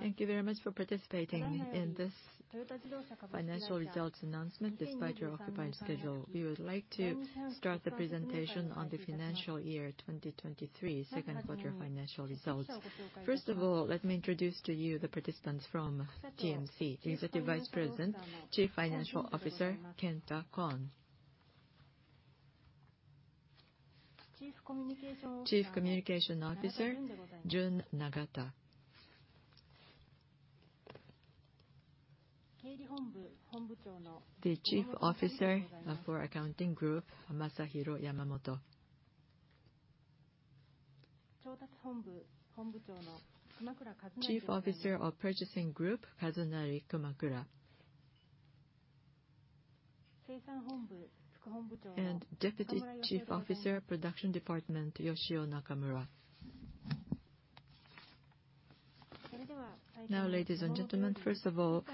Thank you very much for participating in this financial results announcement despite your occupied schedule. We would like to start the presentation on the financial year 2023 second quarter financial results. First of all, let me introduce to you the participants from TMC. Executive Vice President, Chief Financial Officer, Kenta Kon. Chief Communication Officer, Jun Nagata. The Chief Officer for Accounting Group, Masahiro Yamamoto. Chief Officer of Purchasing Group, Kazunari Kumakura. Deputy Chief Officer, Production Group, Yoshio Nakamura. Now, ladies and gentlemen, first of all,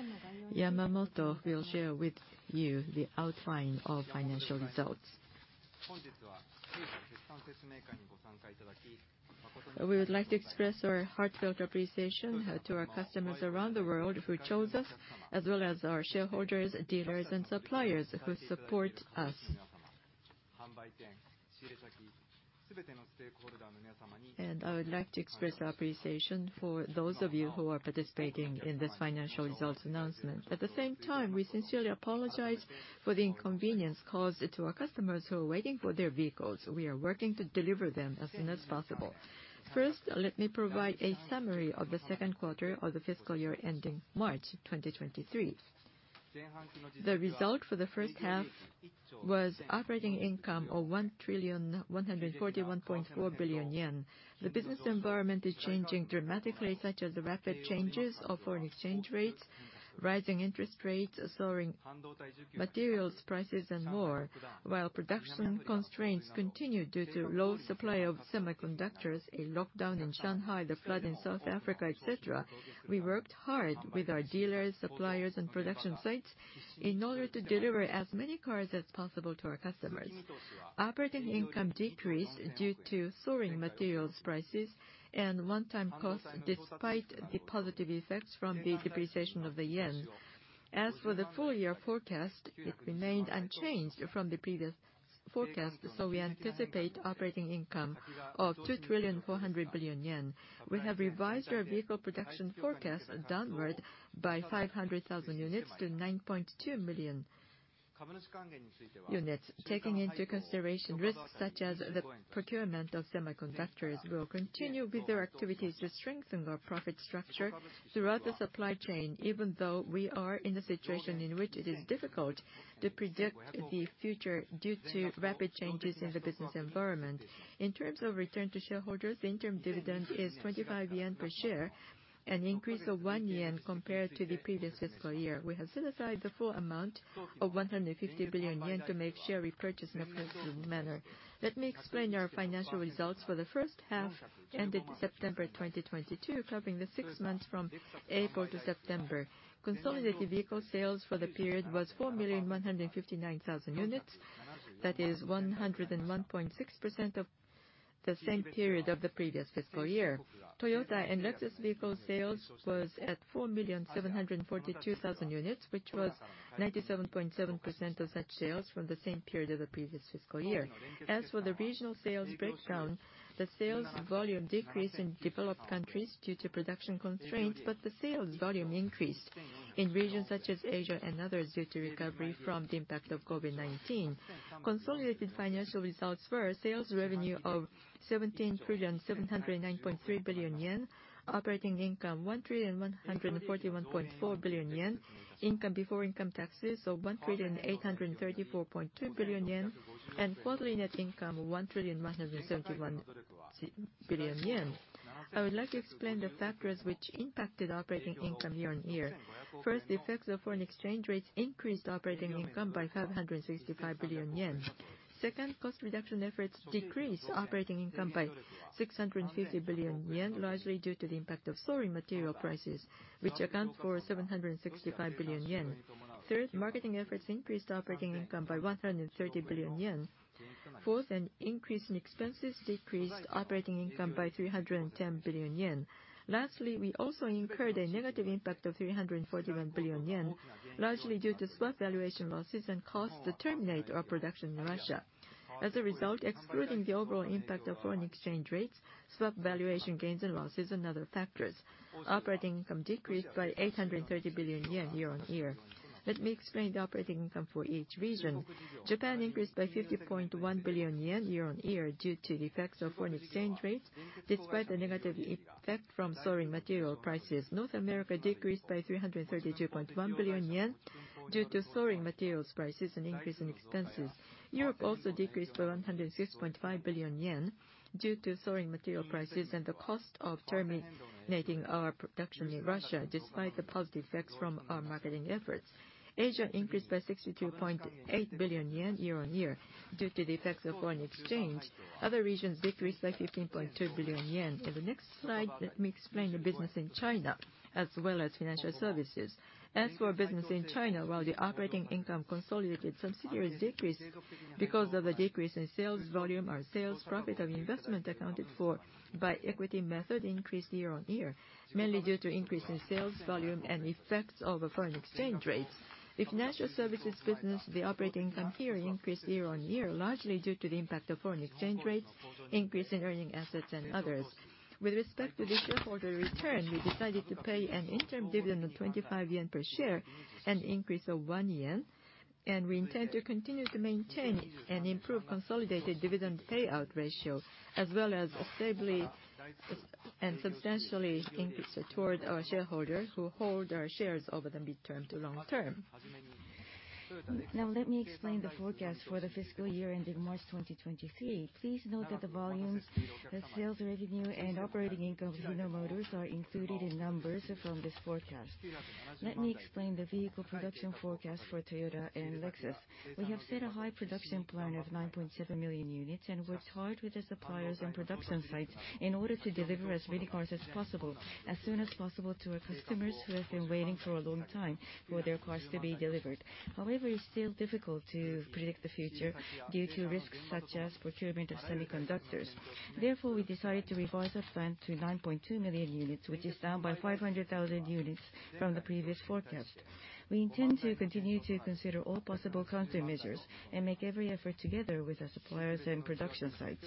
Yamamoto will share with you the outline of financial results. We would like to express our heartfelt appreciation to our customers around the world who chose us, as well as our shareholders, dealers, and suppliers who support us. I would like to express appreciation for those of you who are participating in this financial results announcement. At the same time, we sincerely apologize for the inconvenience caused to our customers who are waiting for their vehicles. We are working to deliver them as soon as possible. First, let me provide a summary of the second quarter of the fiscal year ending March 2023. The result for the first half was operating income of 1.1414 trillion. The business environment is changing dramatically, such as the rapid changes of foreign exchange rates, rising interest rates, soaring materials prices, and more. While production constraints continue due to low supply of semiconductors, a lockdown in Shanghai, the flood in South Africa, et cetera, we worked hard with our dealers, suppliers, and production sites in order to deliver as many cars as possible to our customers. Operating income decreased due to soaring materials prices and one-time costs, despite the positive effects from the depreciation of the yen. As for the full year forecast, it remained unchanged from the previous forecast, so we anticipate operating income of 2.4 trillion yen. We have revised our vehicle production forecast downward by 500,000 units to 9.2 million units, taking into consideration risks such as the procurement of semiconductors. We will continue with our activities to strengthen our profit structure throughout the supply chain, even though we are in a situation in which it is difficult to predict the future due to rapid changes in the business environment. In terms of return to shareholders, the interim dividend is 25 yen per share, an increase of 1 yen compared to the previous fiscal year. We have set aside the full amount of 150 billion yen to make share repurchase in a consistent manner. Let me explain our financial results for the first half ended September 2022, covering the six months from April to September. Consolidated vehicle sales for the period was 4,159,000 units. That is 101.6% of the same period of the previous fiscal year. Toyota and Lexus vehicle sales was at 4,742,000 units, which was 97.7% of such sales from the same period of the previous fiscal year. As for the regional sales breakdown, the sales volume decreased in developed countries due to production constraints, but the sales volume increased in regions such as Asia and others due to recovery from the impact of COVID-19. Consolidated financial results were sales revenue of 17.7093 trillion yen, operating income 1.1414 trillion yen, income before income taxes of 1.8342 trillion yen, and quarterly net income of 1.171 trillion yen. I would like to explain the factors which impacted operating income year-on-year. First, the effects of foreign exchange rates increased operating income by 565 billion yen. Second, cost reduction efforts decreased operating income by 650 billion yen, largely due to the impact of soaring material prices, which account for 765 billion yen. Third, marketing efforts increased operating income by 130 billion yen. Fourth, an increase in expenses decreased operating income by 310 billion yen. Lastly, we also incurred a negative impact of 341 billion yen, largely due to swap valuation losses and costs to terminate our production in Russia. As a result, excluding the overall impact of foreign exchange rates, swap valuation gains and losses, and other factors, operating income decreased by 830 billion yen year-over-year. Let me explain the operating income for each region. Japan increased by 50.1 billion yen year-over-year due to the effects of foreign exchange rates, despite the negative effect from soaring material prices. North America decreased by 332.1 billion yen due to soaring materials prices and increase in expenses. Europe also decreased by 106.5 billion yen due to soaring material prices and the cost of terminating our production in Russia, despite the positive effects from our marketing efforts. Asia increased by 62.8 billion yen year on year due to the effects of foreign exchange. Other regions decreased by 15.2 billion yen. In the next slide, let me explain the business in China. As well as financial services. As for business in China, while the operating income consolidated subsidiaries decreased because of a decrease in sales volume, our share of profit of investments accounted for by equity method increased year on year, mainly due to increase in sales volume and effects of foreign exchange rates. In financial services business, the operating income here increased year on year, largely due to the impact of foreign exchange rates, increase in earning assets and others. With respect to the shareholder return, we decided to pay an interim dividend of 25 yen per share, an increase of 1 yen. We intend to continue to maintain and improve consolidated dividend payout ratio, as well as stably and substantially increase toward our shareholders who hold our shares over the midterm to long term. Now let me explain the forecast for the fiscal year ending March 2023. Please note that the volumes, the sales revenue and operating income of Toyota Motor Corporation are included in numbers from this forecast. Let me explain the vehicle production forecast for Toyota and Lexus. We have set a high production plan of 9.7 million units, and worked hard with the suppliers and production sites in order to deliver as many cars as possible, as soon as possible to our customers who have been waiting for a long time for their cars to be delivered. However, it's still difficult to predict the future due to risks such as procurement of semiconductors. Therefore, we decided to revise our plan to 9.2 million units, which is down by 500,000 units from the previous forecast. We intend to continue to consider all possible countermeasures and make every effort together with our suppliers and production sites.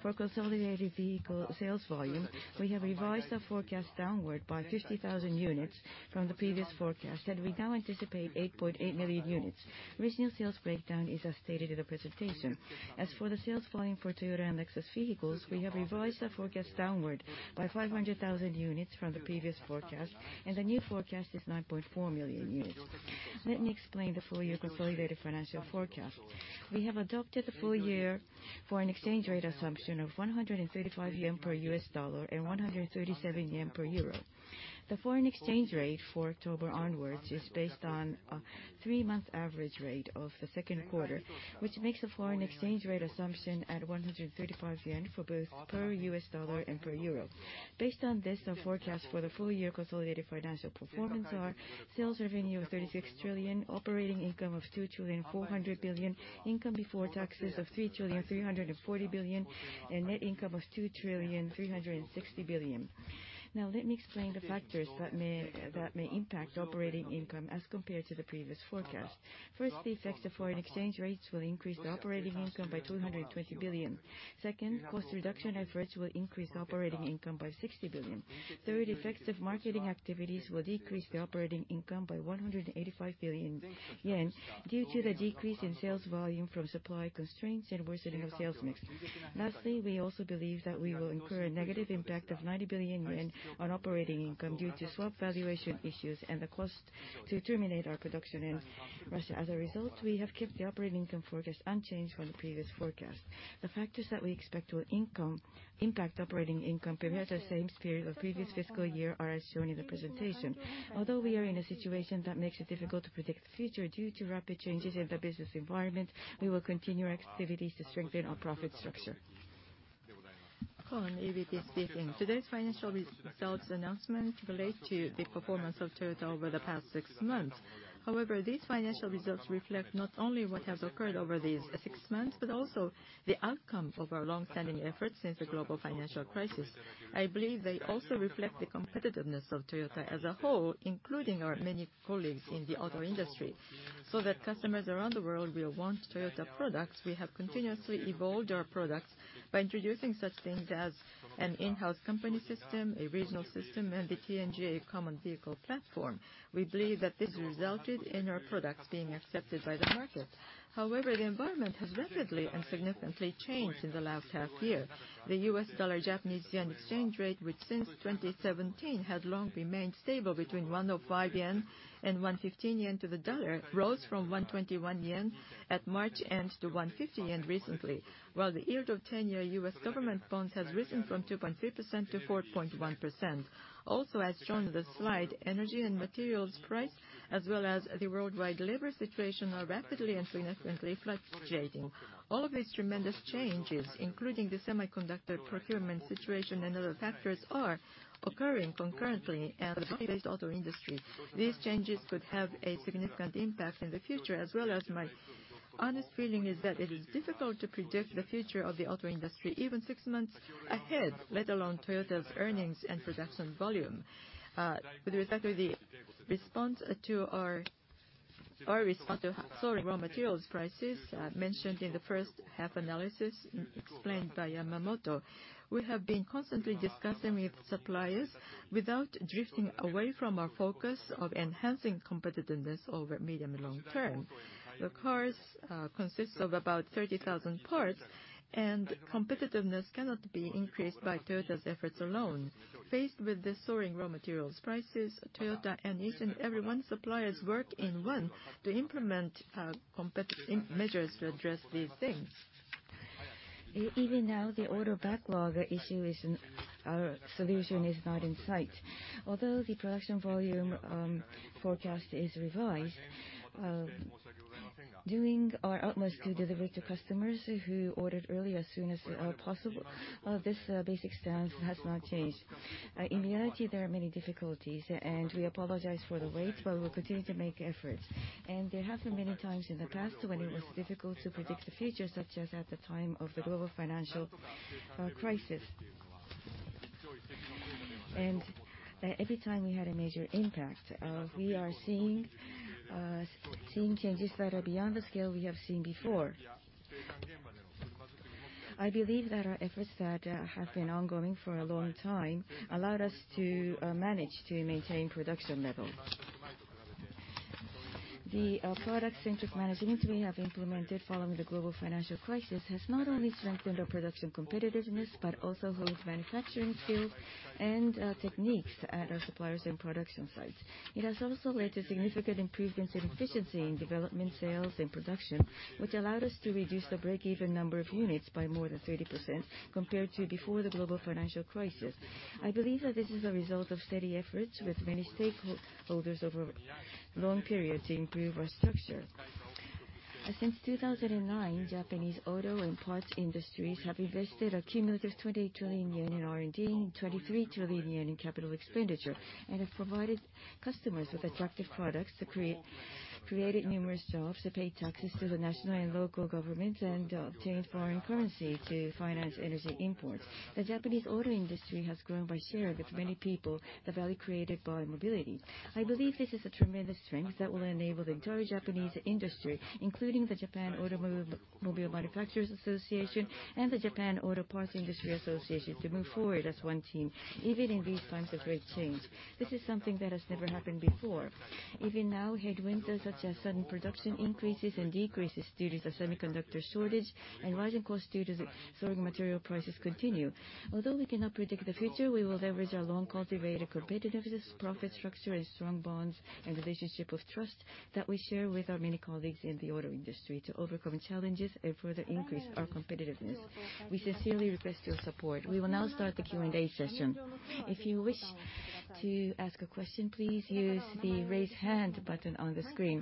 For consolidated vehicle sales volume, we have revised our forecast downward by 50,000 units from the previous forecast, and we now anticipate 8.8 million units. Regional sales breakdown is as stated in the presentation. As for the sales volume for Toyota and Lexus vehicles, we have revised our forecast downward by 500,000 units from the previous forecast, and the new forecast is 9.4 million units. Let me explain the full year consolidated financial forecast. We have adopted the full year foreign exchange rate assumption of 135 yen per U.S. dollar and 137 yen per euro. The foreign exchange rate for October onwards is based on a three-month average rate of the second quarter, which makes the foreign exchange rate assumption at 135 yen for both per U.S. dollar and per euro. Based on this, our forecast for the full year consolidated financial performance are sales revenue of 36 trillion, operating income of 2.4 trillion, income before taxes of 3.34 trillion, and net income of 2.36 trillion. Now let me explain the factors that may impact operating income as compared to the previous forecast. First, the effects of foreign exchange rates will increase the operating income by 220 billion. Second, cost reduction efforts will increase operating income by 60 billion. Third, effects of marketing activities will decrease the operating income by 185 billion yen due to the decrease in sales volume from supply constraints and worsening of sales mix. Lastly, we also believe that we will incur a negative impact of 90 billion yen on operating income due to swap valuation issues and the cost to terminate our production in Russia. As a result, we have kept the operating income forecast unchanged from the previous forecast. The factors that we expect will impact operating income compared to the same period of previous fiscal year are as shown in the presentation. Although we are in a situation that makes it difficult to predict the future due to rapid changes in the business environment, we will continue our activities to strengthen our profit structure. Akio Toyoda speaking. Today's financial results announcement relates to the performance of Toyota over the past six months. However, these financial results reflect not only what has occurred over these six months, but also the outcome of our long-standing efforts since the global financial crisis. I believe they also reflect the competitiveness of Toyota as a whole, including our many colleagues in the auto industry, so that customers around the world will want Toyota products. We have continuously evolved our products by introducing such things as an in-house company system, a regional system, and the TNGA common vehicle platform. We believe that this resulted in our products being accepted by the market. However, the environment has rapidly and significantly changed in the last half year. The U.S. dollar Japanese yen exchange rate, which since 2017 had long remained stable between 105 yen and 115 yen to the dollar, rose from 121 yen at March end to 150 yen recently, while the yield of 10-year U.S. government bonds has risen from 2.3% to 4.1%. Also, as shown on the slide, energy and materials price, as well as the worldwide labor situation, are rapidly and significantly fluctuating. All of these tremendous changes, including the semiconductor procurement situation and other factors, are occurring concurrently in the auto industry. These changes could have a significant impact in the future as well as my honest feeling is that it is difficult to predict the future of the auto industry even six months ahead, let alone Toyota's earnings and production volume. With regard to the response to our response to soaring raw materials prices, mentioned in the first half analysis explained by Yamamoto, we have been constantly discussing with suppliers without drifting away from our focus of enhancing competitiveness over medium and long term. The cars consists of about 30,000 parts, and competitiveness cannot be increased by Toyota's efforts alone. Faced with the soaring raw materials prices, Toyota and each and every one suppliers work as one to implement competitive measures to address these things. Even now, our solution is not in sight. Although the production volume forecast is revised, doing our utmost to deliver to customers who ordered early as soon as possible, this basic stance has not changed. In reality, there are many difficulties, and we apologize for the wait, but we'll continue to make efforts. There have been many times in the past when it was difficult to predict the future, such as at the time of the global financial crisis. Every time we had a major impact, we are seeing changes that are beyond the scale we have seen before. I believe that our efforts that have been ongoing for a long time allowed us to manage to maintain production levels. The product-centric managements we have implemented following the global financial crisis has not only strengthened our production competitiveness, but also honed manufacturing skills and techniques at our suppliers and production sites. It has also led to significant improvements in efficiency in development, sales, and production, which allowed us to reduce the break-even number of units by more than 30% compared to before the global financial crisis. I believe that this is a result of steady efforts with many stakeholders over a long period to improve our structure. Since 2009, Japanese auto and parts industries have invested a cumulative 28 trillion yen in R&D and 23 trillion yen in capital expenditure, and have provided customers with attractive products created numerous jobs that pay taxes to the national and local government, and obtained foreign currency to finance energy imports. The Japanese auto industry has grown by sharing with many people the value created by mobility. I believe this is a tremendous strength that will enable the entire Japanese industry, including the Japan Automobile Manufacturers Association and the Japan Auto Parts Industries Association, to move forward as one team, even in these times of great change. This is something that has never happened before. Even now, headwinds such as sudden production increases and decreases due to the semiconductor shortage and rising costs due to the soaring material prices continue. Although we cannot predict the future, we will leverage our long-cultivated competitiveness, profit structure, and strong bonds and relationship of trust that we share with our many colleagues in the auto industry to overcome challenges and further increase our competitiveness. We sincerely request your support. We will now start the Q&A session. If you wish to ask a question, please use the Raise Hand button on the screen.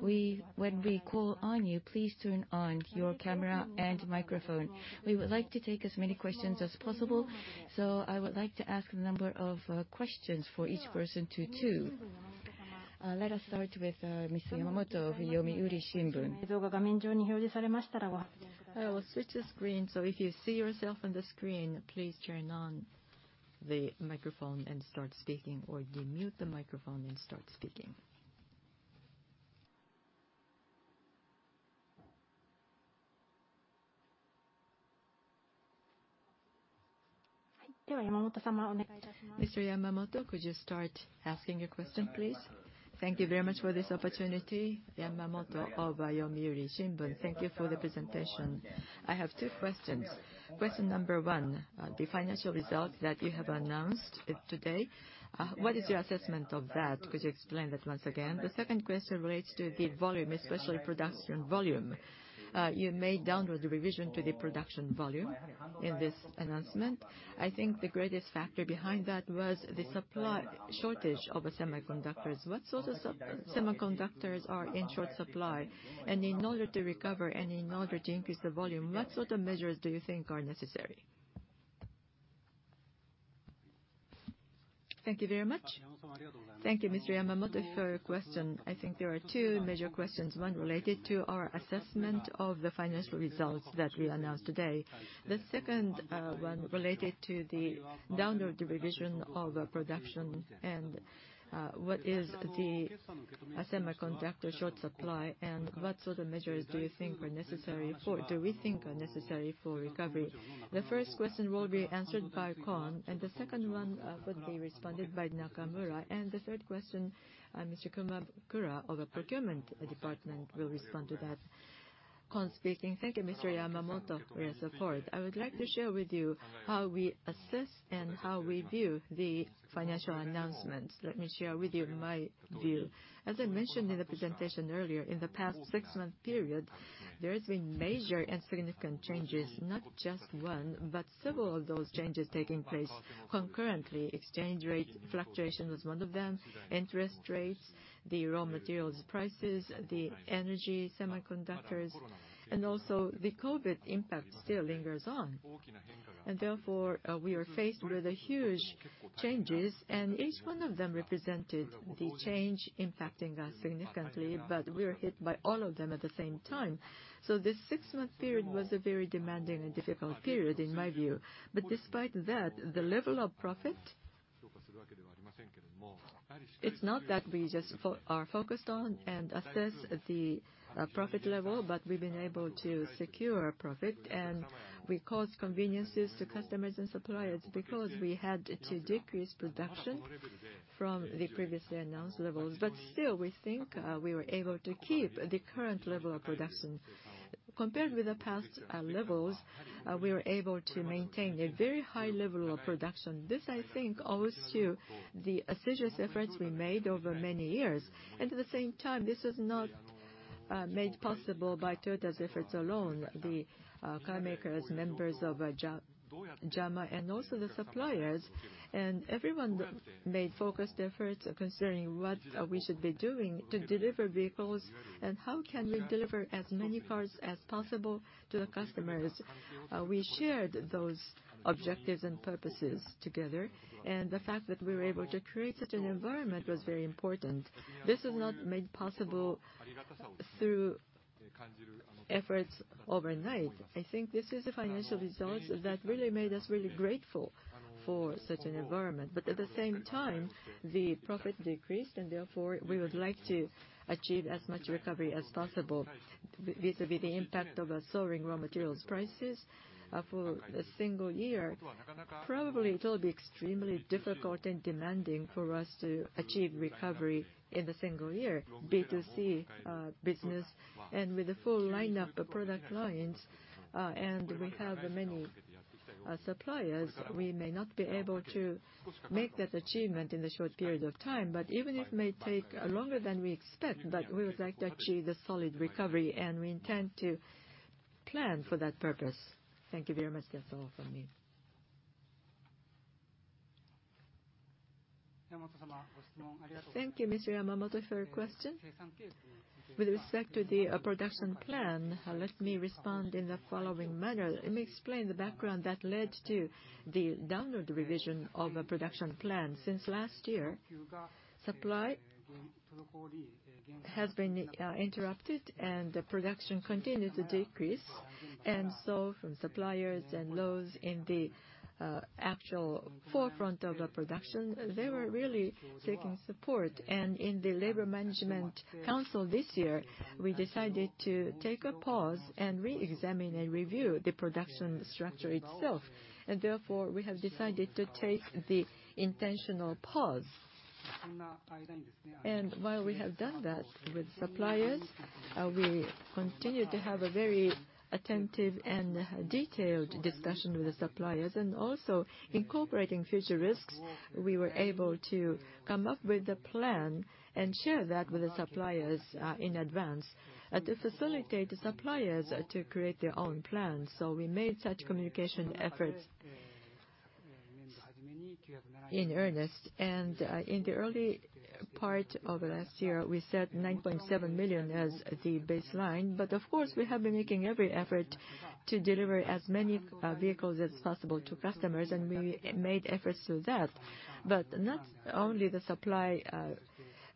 When we call on you, please turn on your camera and microphone. We would like to take as many questions as possible, so I would like to ask a number of questions for each person to two. Let us start with Mr. Yamamoto of Yomiuri Shimbun. I will switch the screen, so if you see yourself on the screen, please turn on the microphone and start speaking, or unmute the microphone and start speaking. Mr. Yamamoto, could you start asking your question, please? Thank you very much for this opportunity. Yamamoto of Yomiuri Shimbun. Thank you for the presentation. I have two questions. Question number one, the financial results that you have announced, today, what is your assessment of that? Could you explain that once again? The second question relates to the volume, especially production volume. You made downward revision to the production volume in this announcement. I think the greatest factor behind that was the supply shortage of semiconductors. What sort of semiconductors are in short supply? And in order to recover and in order to increase the volume, what sort of measures do you think are necessary? Thank you very much. Thank you, Mr. Yamamoto, for your question. I think there are two major questions, one related to our assessment of the financial results that we announced today. The second one related to the downward revision of production and what is the semiconductor short supply and what sort of measures do we think are necessary for recovery. The first question will be answered by Kon, and the second one would be responded by Nakamura. The third question, Mr. Kumakura of the Procurement Department will respond to that. Kon speaking. Thank you, Mr. Yamamoto, for your support. I would like to share with you how we assess and how we view the financial announcements. Let me share with you my view. As I mentioned in the presentation earlier, in the past six-month period, there has been major and significant changes, not just one, but several of those changes taking place concurrently. Exchange rate fluctuation was one of them, interest rates, the raw materials prices, energy, semiconductors, and also the COVID impact still lingers on. Therefore, we are faced with huge changes, and each one of them represented the change impacting us significantly, but we are hit by all of them at the same time. This six-month period was a very demanding and difficult period in my view. Despite that, the level of profit, it's not that we just are focused on and assess the profit level, but we've been able to secure profit. We caused inconveniences to customers and suppliers because we had to decrease production from the previously announced levels. Still, we think we were able to keep the current level of production. Compared with the past levels, we were able to maintain a very high level of production. This, I think, owes to the assiduous efforts we made over many years. At the same time, this is not made possible by Toyota's efforts alone, the carmakers, members of JAMA and also the suppliers and everyone that made focused efforts concerning what we should be doing to deliver vehicles and how can we deliver as many cars as possible to the customers. We shared those objectives and purposes together, and the fact that we were able to create such an environment was very important. This was not made possible through efforts overnight. I think this is the financial results that really made us grateful for such an environment. At the same time, the profit decreased and therefore, we would like to achieve as much recovery as possible. Vis-à-vis the impact of soaring raw materials prices, for a single year, probably it will be extremely difficult and demanding for us to achieve recovery in a single year. B2C business and with the full lineup of product lines, and we have many suppliers, we may not be able to make that achievement in the short period of time. Even if may take longer than we expect, but we would like to achieve a solid recovery, and we intend to plan for that purpose. Thank you very much. That's all from me. Thank you, Mr. Yamamoto for your question. With respect to the production plan, let me respond in the following manner. Let me explain the background that led to the downward revision of a production plan. Since last year, supply has been interrupted and the production continued to decrease. So from suppliers and those in the actual forefront of the production, they were really seeking support. In the Labor-Management Council this year, we decided to take a pause and re-examine and review the production structure itself. Therefore, we have decided to take the intentional pause. While we have done that with suppliers, we continue to have a very attentive and detailed discussion with the suppliers. Also incorporating future risks, we were able to come up with a plan and share that with the suppliers, in advance, to facilitate the suppliers to create their own plans. We made such communication efforts in earnest. In the early part of last year, we set 9.7 million as the baseline. Of course, we have been making every effort to deliver as many vehicles as possible to customers, and we made efforts to that. Not only the supply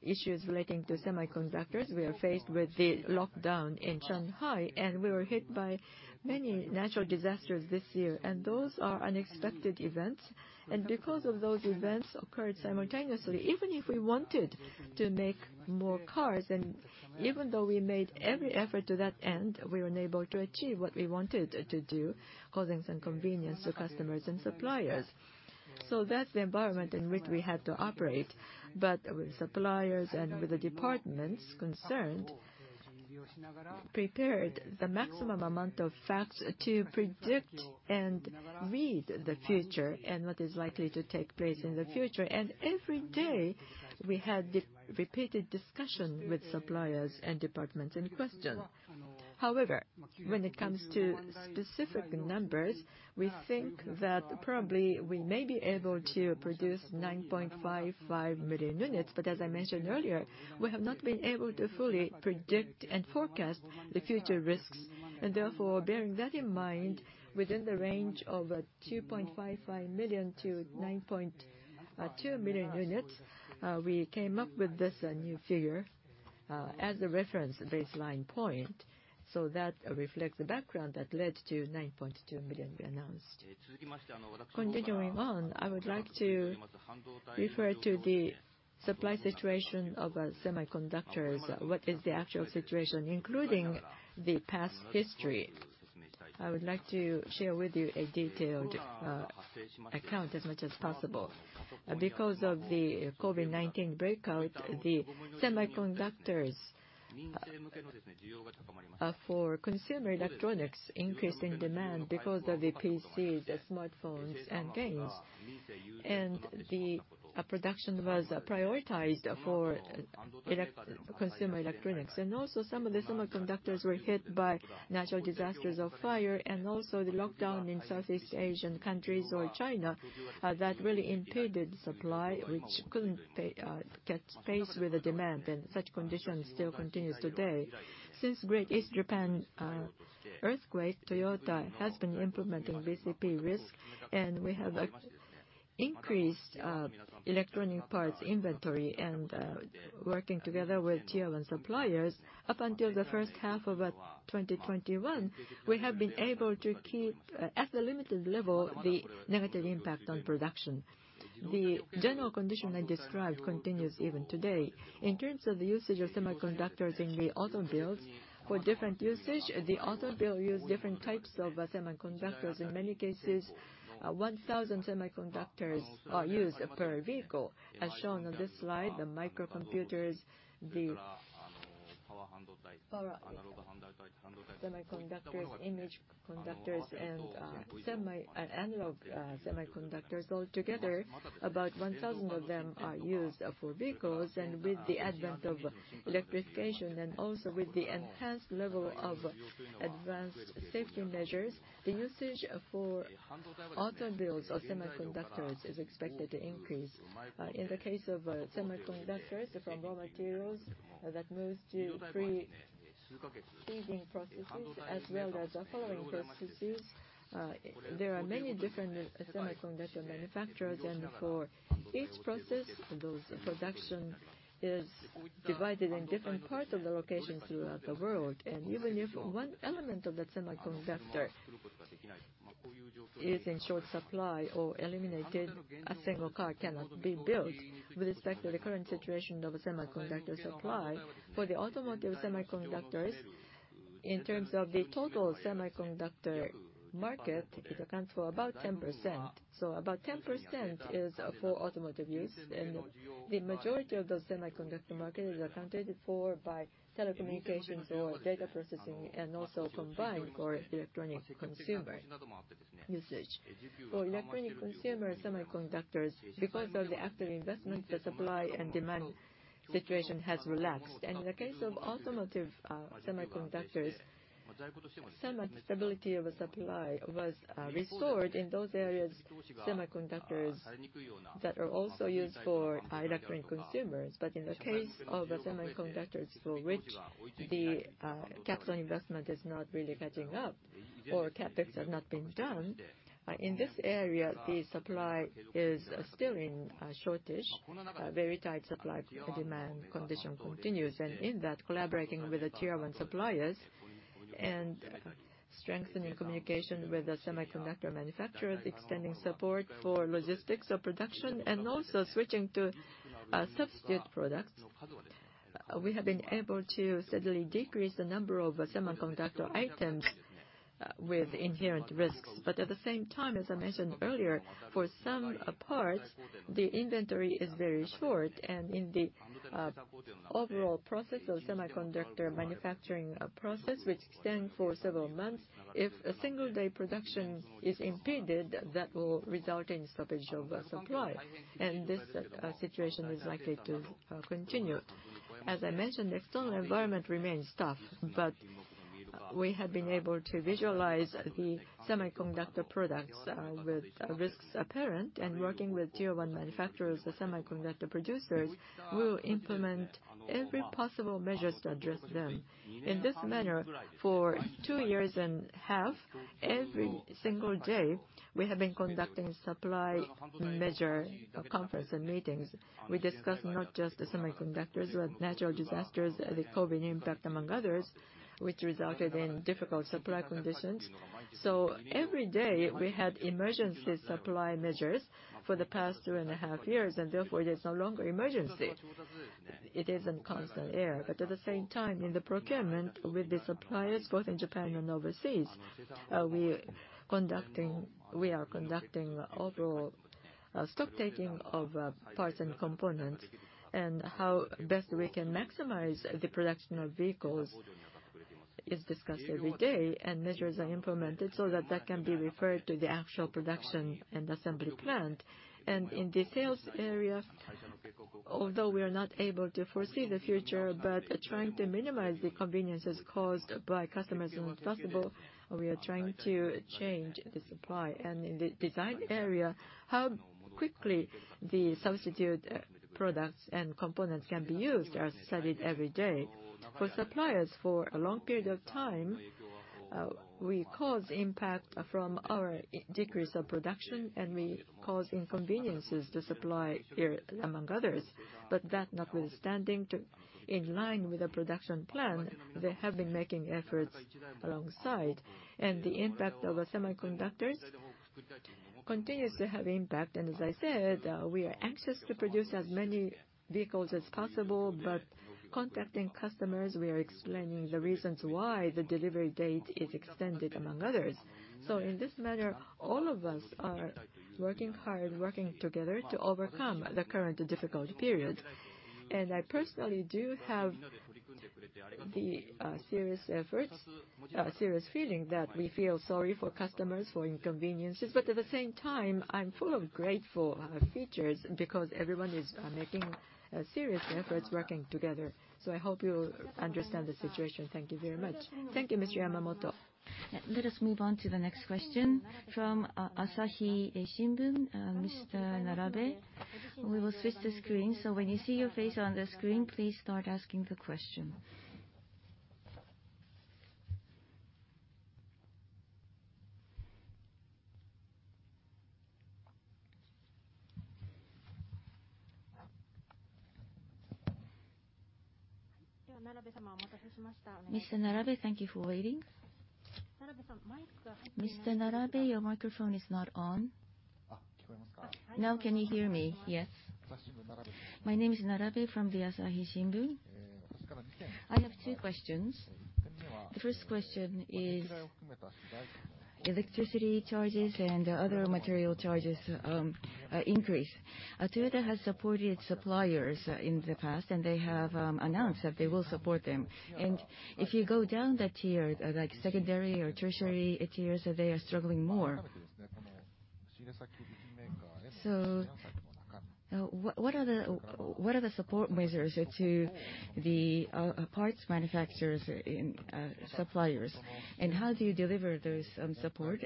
issues relating to semiconductors, we are faced with the lockdown in Shanghai, and we were hit by many natural disasters this year. Those are unexpected events. Because of those events occurred simultaneously, even if we wanted to make more cars, and even though we made every effort to that end, we were unable to achieve what we wanted to do, causing some inconvenience to customers and suppliers. That's the environment in which we had to operate. With suppliers and with the departments concerned, prepared the maximum amount of facts to predict and read the future and what is likely to take place in the future. Every day, we had the repeated discussion with suppliers and departments in question. However, when it comes to specific numbers, we think that probably we may be able to produce 9.55 million units. As I mentioned earlier, we have not been able to fully predict and forecast the future risks. Therefore, bearing that in mind, within the range of 9.55 million-9.2 million units, we came up with this new figure as a reference baseline point. That reflects the background that led to 9.2 million we announced. Continuing on, I would like to refer to the supply situation of semiconductors. What is the actual situation, including the past history? I would like to share with you a detailed account as much as possible. Because of the COVID-19 outbreak, the semiconductors for consumer electronics increased in demand because of the PCs, the smartphones and games. The production was prioritized for consumer electronics. Also some of the semiconductors were hit by natural disasters of fire and also the lockdown in Southeast Asian countries or China, that really impeded supply, which couldn't keep pace with the demand. Such conditions still continue today. Since Great East Japan Earthquake, Toyota has been implementing BCP risk, and we have increased electronic parts inventory and working together with Tier 1 suppliers. Up until the first half of 2021, we have been able to keep at the limited level the negative impact on production. The general condition I described continues even today. In terms of the usage of semiconductors in the automobiles for different usage, the automobile uses different types of semiconductors. In many cases, 1,000 semiconductors are used per vehicle. As shown on this slide, the microcomputers, the power semiconductors, image sensors, and analog semiconductors all together, about 1,000 of them are used for vehicles. With the advent of electrification, and also with the enhanced level of advanced safety measures, the usage for automobiles or semiconductors is expected to increase. In the case of semiconductors from raw materials that moves to pre-processing processes as well as the following processes, there are many different semiconductor manufacturers. For each process, those production is divided in different parts of the locations throughout the world. Even if one element of the semiconductor is in short supply or eliminated, a single car cannot be built. With respect to the current situation of semiconductor supply, for the automotive semiconductors, in terms of the total semiconductor market, it accounts for about 10%. About 10% is for automotive use, and the majority of the semiconductor market is accounted for by telecommunications or data processing, and also combined for electronic consumer usage. For electronic consumer semiconductors, because of the active investment, the supply and demand situation has relaxed. In the case of automotive semiconductors, stability of supply was restored in those areas, semiconductors that are also used by electronic consumers. In the case of semiconductors for which the capital investment is not really catching up or CapEx have not been done, in this area, the supply is still in a shortage, a very tight supply demand condition continues. In that, collaborating with the Tier 1 suppliers and strengthening communication with the semiconductor manufacturers, extending support for logistics or production, and also switching to substitute products, we have been able to steadily decrease the number of semiconductor items with inherent risks. At the same time, as I mentioned earlier, for some parts, the inventory is very short. In the overall process of semiconductor manufacturing process, which extend for several months, if a single day production is impeded, that will result in stoppage of supply. This situation is likely to continue. As I mentioned, the external environment remains tough, but we have been able to visualize the semiconductor products with risks apparent. Working with Tier 1 manufacturers, the semiconductor producers will implement every possible measures to address them. In this manner, for two and a half years, every single day, we have been conducting supply measures conferences and meetings. We discuss not just the semiconductors, but natural disasters, the COVID impact among others, which resulted in difficult supply conditions. Every day, we had emergency supply measures for the past two and a half years, and therefore, it is no longer emergency. It is in constant care. At the same time, in the procurement with the suppliers, both in Japan and overseas, we are conducting overall stocktaking of parts and components. How best we can maximize the production of vehicles is discussed every day, and measures are implemented so that that can be reflected in the actual production and assembly plant. In the sales area, although we are not able to foresee the future, trying to minimize the inconveniences caused to customers is impossible, we are trying to change the supply. In the design area, how quickly the substitute products and components can be used are studied every day. For suppliers, for a long period of time, we cause impact from our decrease of production, and we cause inconveniences to suppliers here, among others. That notwithstanding, in line with the production plan, they have been making efforts alongside. The impact of semiconductors continues to have impact. As I said, we are anxious to produce as many vehicles as possible. Contacting customers, we are explaining the reasons why the delivery date is extended, among others. In this manner, all of us are working hard, working together to overcome the current difficult period. I personally do have the serious feeling that we feel sorry for customers for inconveniences. At the same time, I'm full of gratitude for these because everyone is making serious efforts working together. I hope you understand the situation. Thank you very much. Thank you, Mr. Yamamoto. Let us move on to the next question from Asahi Shimbun, Mr. Narita. We will switch the screen. When you see your face on the screen, please start asking the question. Mr. Narita, thank you for waiting. Mr. Narita, your microphone is not on. Now can you hear me? Yes. My name is Narita from the Asahi Shimbun. I have two questions. The first question is electricity charges and other material charges increase. Toyota has supported suppliers in the past, and they have announced that they will support them. If you go down that tier, like secondary or tertiary tiers, they are struggling more. What are the support measures to the parts manufacturers and suppliers? How do you deliver those support?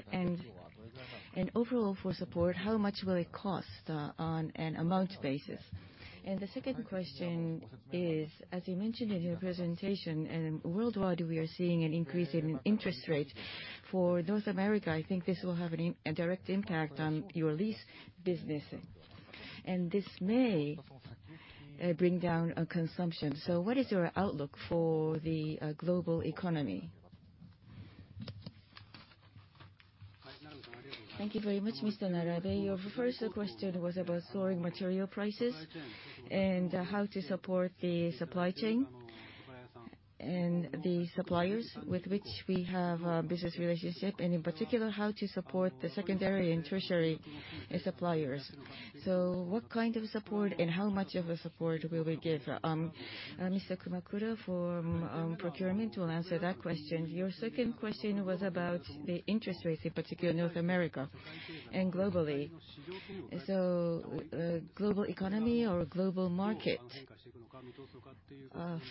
Overall for support, how much will it cost on an amount basis? The second question is, as you mentioned in your presentation, worldwide, we are seeing an increase in interest rates. For North America, I think this will have a direct impact on your lease business, and this may bring down consumption. What is your outlook for the global economy? Thank you very much, Mr. Narita. Your first question was about soaring material prices and how to support the supply chain and the suppliers with which we have a business relationship, and in particular, how to support the secondary and tertiary suppliers. What kind of support and how much of a support will we give? Mr. Kumakura from procurement will answer that question. Your second question was about the interest rates, in particular North America and globally. Global economy or global market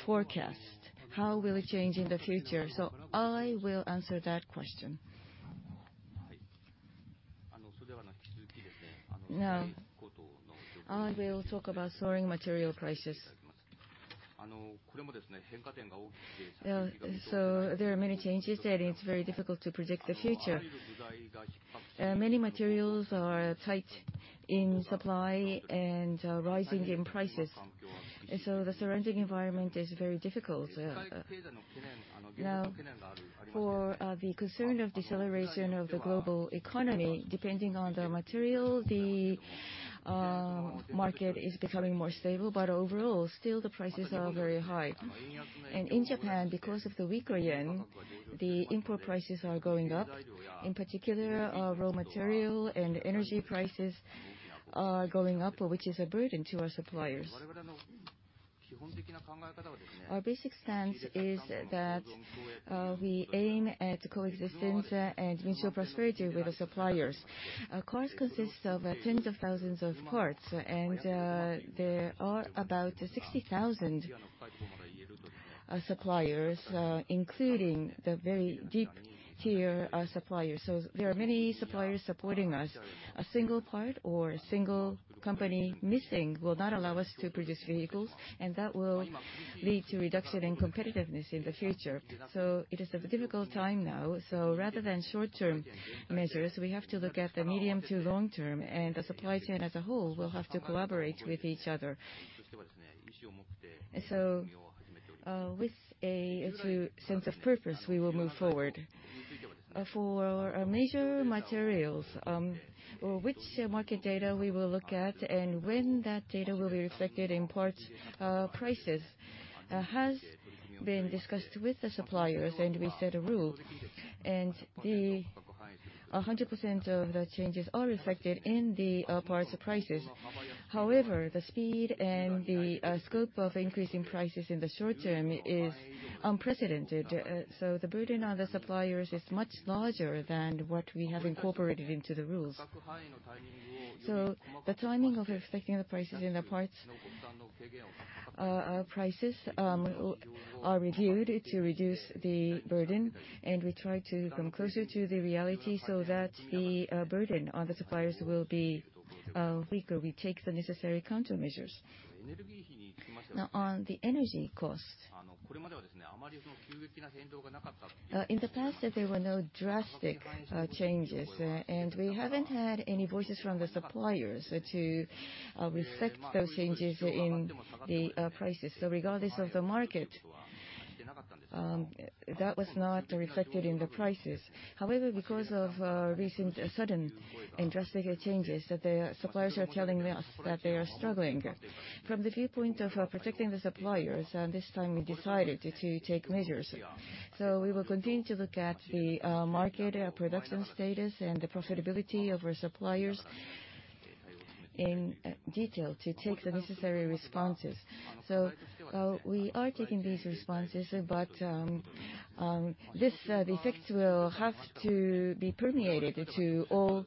forecast, how will it change in the future? I will answer that question. Now, I will talk about soaring material prices. There are many changes, and it's very difficult to predict the future. Many materials are tight in supply and are rising in prices. The surrounding environment is very difficult. Now, for the concern of deceleration of the global economy, depending on the material, the market is becoming more stable. Overall, still the prices are very high. In Japan, because of the weaker yen, the import prices are going up. In particular, our raw material and energy prices are going up, which is a burden to our suppliers. Our basic stance is that we aim at coexistence and mutual prosperity with the suppliers. Our cars consist of tens of thousands of parts, and there are about 60,000 suppliers, including the very deep tier suppliers. There are many suppliers supporting us. A single part or a single company missing will not allow us to produce vehicles, and that will lead to reduction in competitiveness in the future. It is a difficult time now. Rather than short-term measures, we have to look at the medium to long term, and the supply chain as a whole will have to collaborate with each other. With a sense of purpose, we will move forward. For major materials, which market data we will look at and when that data will be reflected in parts prices, has been discussed with the suppliers, and we set a rule. 100% of the changes are reflected in the parts prices. However, the speed and the scope of increasing prices in the short term is unprecedented. The burden on the suppliers is much larger than what we have incorporated into the rules. The timing of reflecting the prices in the parts prices are reviewed to reduce the burden, and we try to come closer to the reality so that the burden on the suppliers will be weaker. We take the necessary countermeasures. Now, on the energy cost, in the past, there were no drastic changes, and we haven't had any voices from the suppliers to reflect those changes in the prices. Regardless of the market, that was not reflected in the prices. However, because of recent sudden and drastic changes, the suppliers are telling us that they are struggling. From the viewpoint of protecting the suppliers, this time we decided to take measures. We will continue to look at the market, production status, and the profitability of our suppliers in detail to take the necessary responses. We are taking these responses, but the effects will have to be permeated to all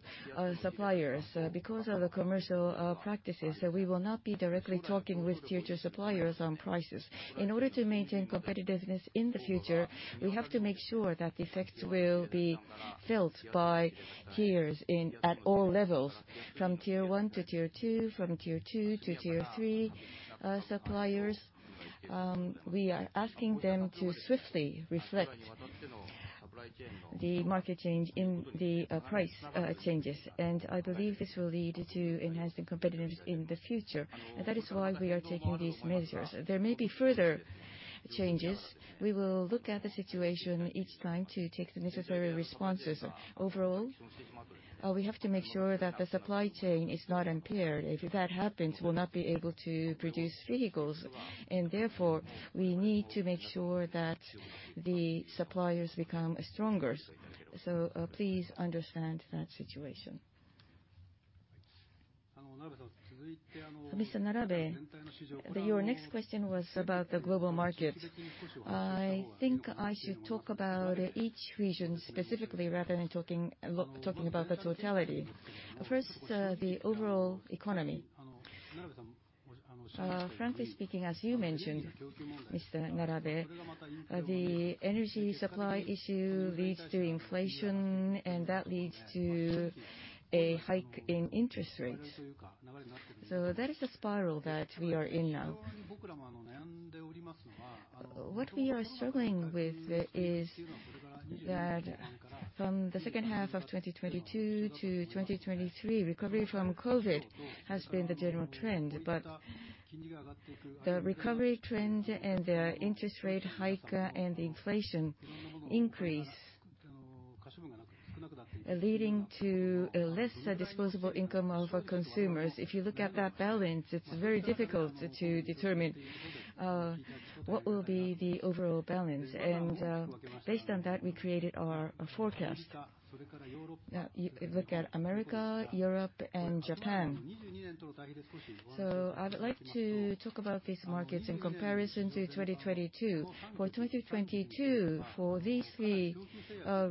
suppliers. Because of the commercial practices, we will not be directly talking with tier two suppliers on prices. In order to maintain competitiveness in the future, we have to make sure that the effects will be felt by tiers at all levels, from Tier 1 -Tier 2, from Tier 2 -Tier 3 suppliers. We are asking them to swiftly reflect the market change in the price changes. I believe this will lead to enhancing competitiveness in the future. That is why we are taking these measures. There may be further changes. We will look at the situation each time to take the necessary responses. Overall, we have to make sure that the supply chain is not impaired. If that happens, we'll not be able to produce vehicles. Therefore, we need to make sure that the suppliers become stronger. Please understand that situation. Mr. Narita, your next question was about the global market. I think I should talk about each region specifically rather than talking about the totality. First, the overall economy. Frankly speaking, as you mentioned, Mr. Narita, the energy supply issue leads to inflation, and that leads to a hike in interest rates. That is the spiral that we are in now. What we are struggling with is that from the second half of 2022 to 2023, recovery from COVID has been the general trend. The recovery trend and the interest rate hike and inflation increase leading to less disposable income of our consumers. If you look at that balance, it's very difficult to determine what will be the overall balance. Based on that, we created our forecast. Now, you look at America, Europe, and Japan. I would like to talk about these markets in comparison to 2022. For 2022, for these three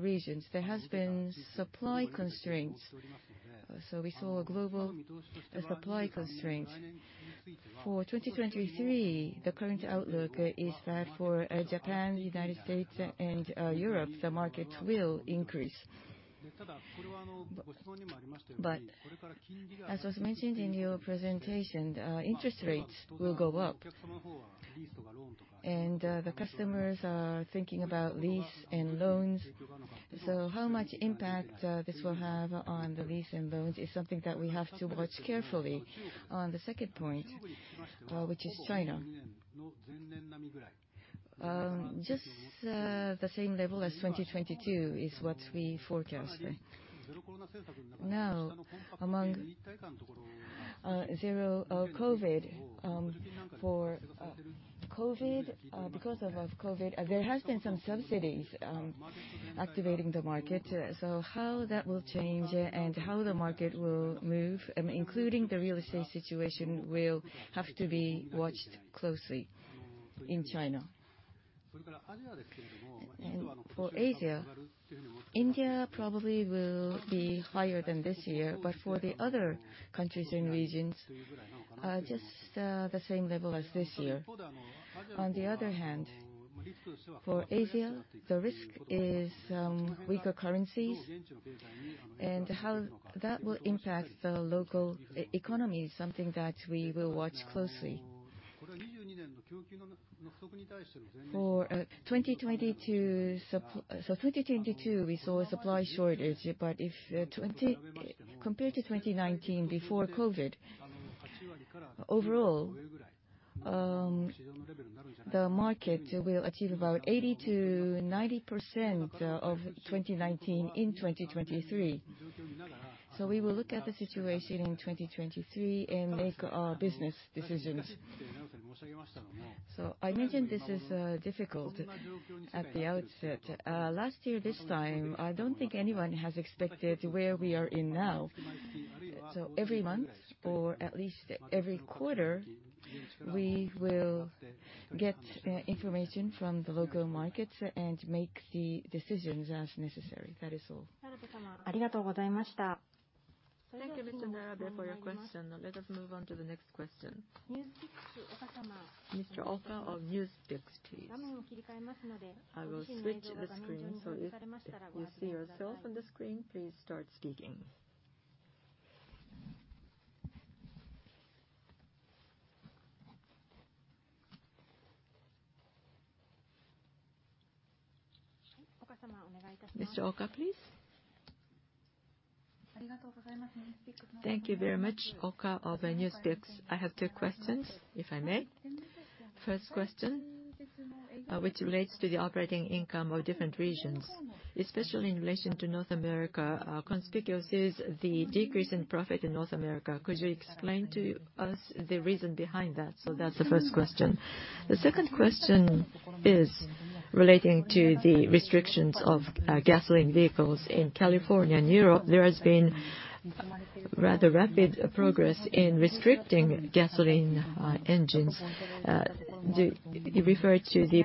regions, there has been supply constraints. We saw a global supply constraint. For 2023, the current outlook is that for Japan, United States and Europe, the markets will increase. As was mentioned in your presentation, interest rates will go up. The customers are thinking about lease and loans. How much impact this will have on the leases and loans is something that we have to watch carefully. On the second point, which is China. Just the same level as 2022 is what we forecast. Now, amid zero-COVID, because of COVID, there has been some subsidies activating the market. How that will change and how the market will move, including the real estate situation, will have to be watched closely in China. For Asia, India probably will be higher than this year, but for the other countries and regions, just the same level as this year. On the other hand, for Asia, the risk is weaker currencies and how that will impact the local economy is something that we will watch closely. 2022, we saw a supply shortage. Compared to 2019 before COVID, overall, the market will achieve about 80%-90% of 2019 in 2023. We will look at the situation in 2023 and make our business decisions. I imagine this is difficult at the outset. Last year, this time, I don't think anyone has expected where we are now. Every month, or at least every quarter, we will get information from the local markets and make the decisions as necessary. That is all. Thank you, Mr. Narita, for your question. Let us move on to the next question. Mr. Oka of NewsPicks, please. I will switch the screen, so if you see yourself on the screen, please start speaking. Mr. Oka, please. Thank you very much. Oka of NewsPicks. I have two questions, if I may. First question, which relates to the operating income of different regions, especially in relation to North America, conspicuous is the decrease in profit in North America. Could you explain to us the reason behind that? That's the first question. The second question is relating to the restrictions of gasoline vehicles in California and Europe. There has been rather rapid progress in restricting gasoline engines. Refer to the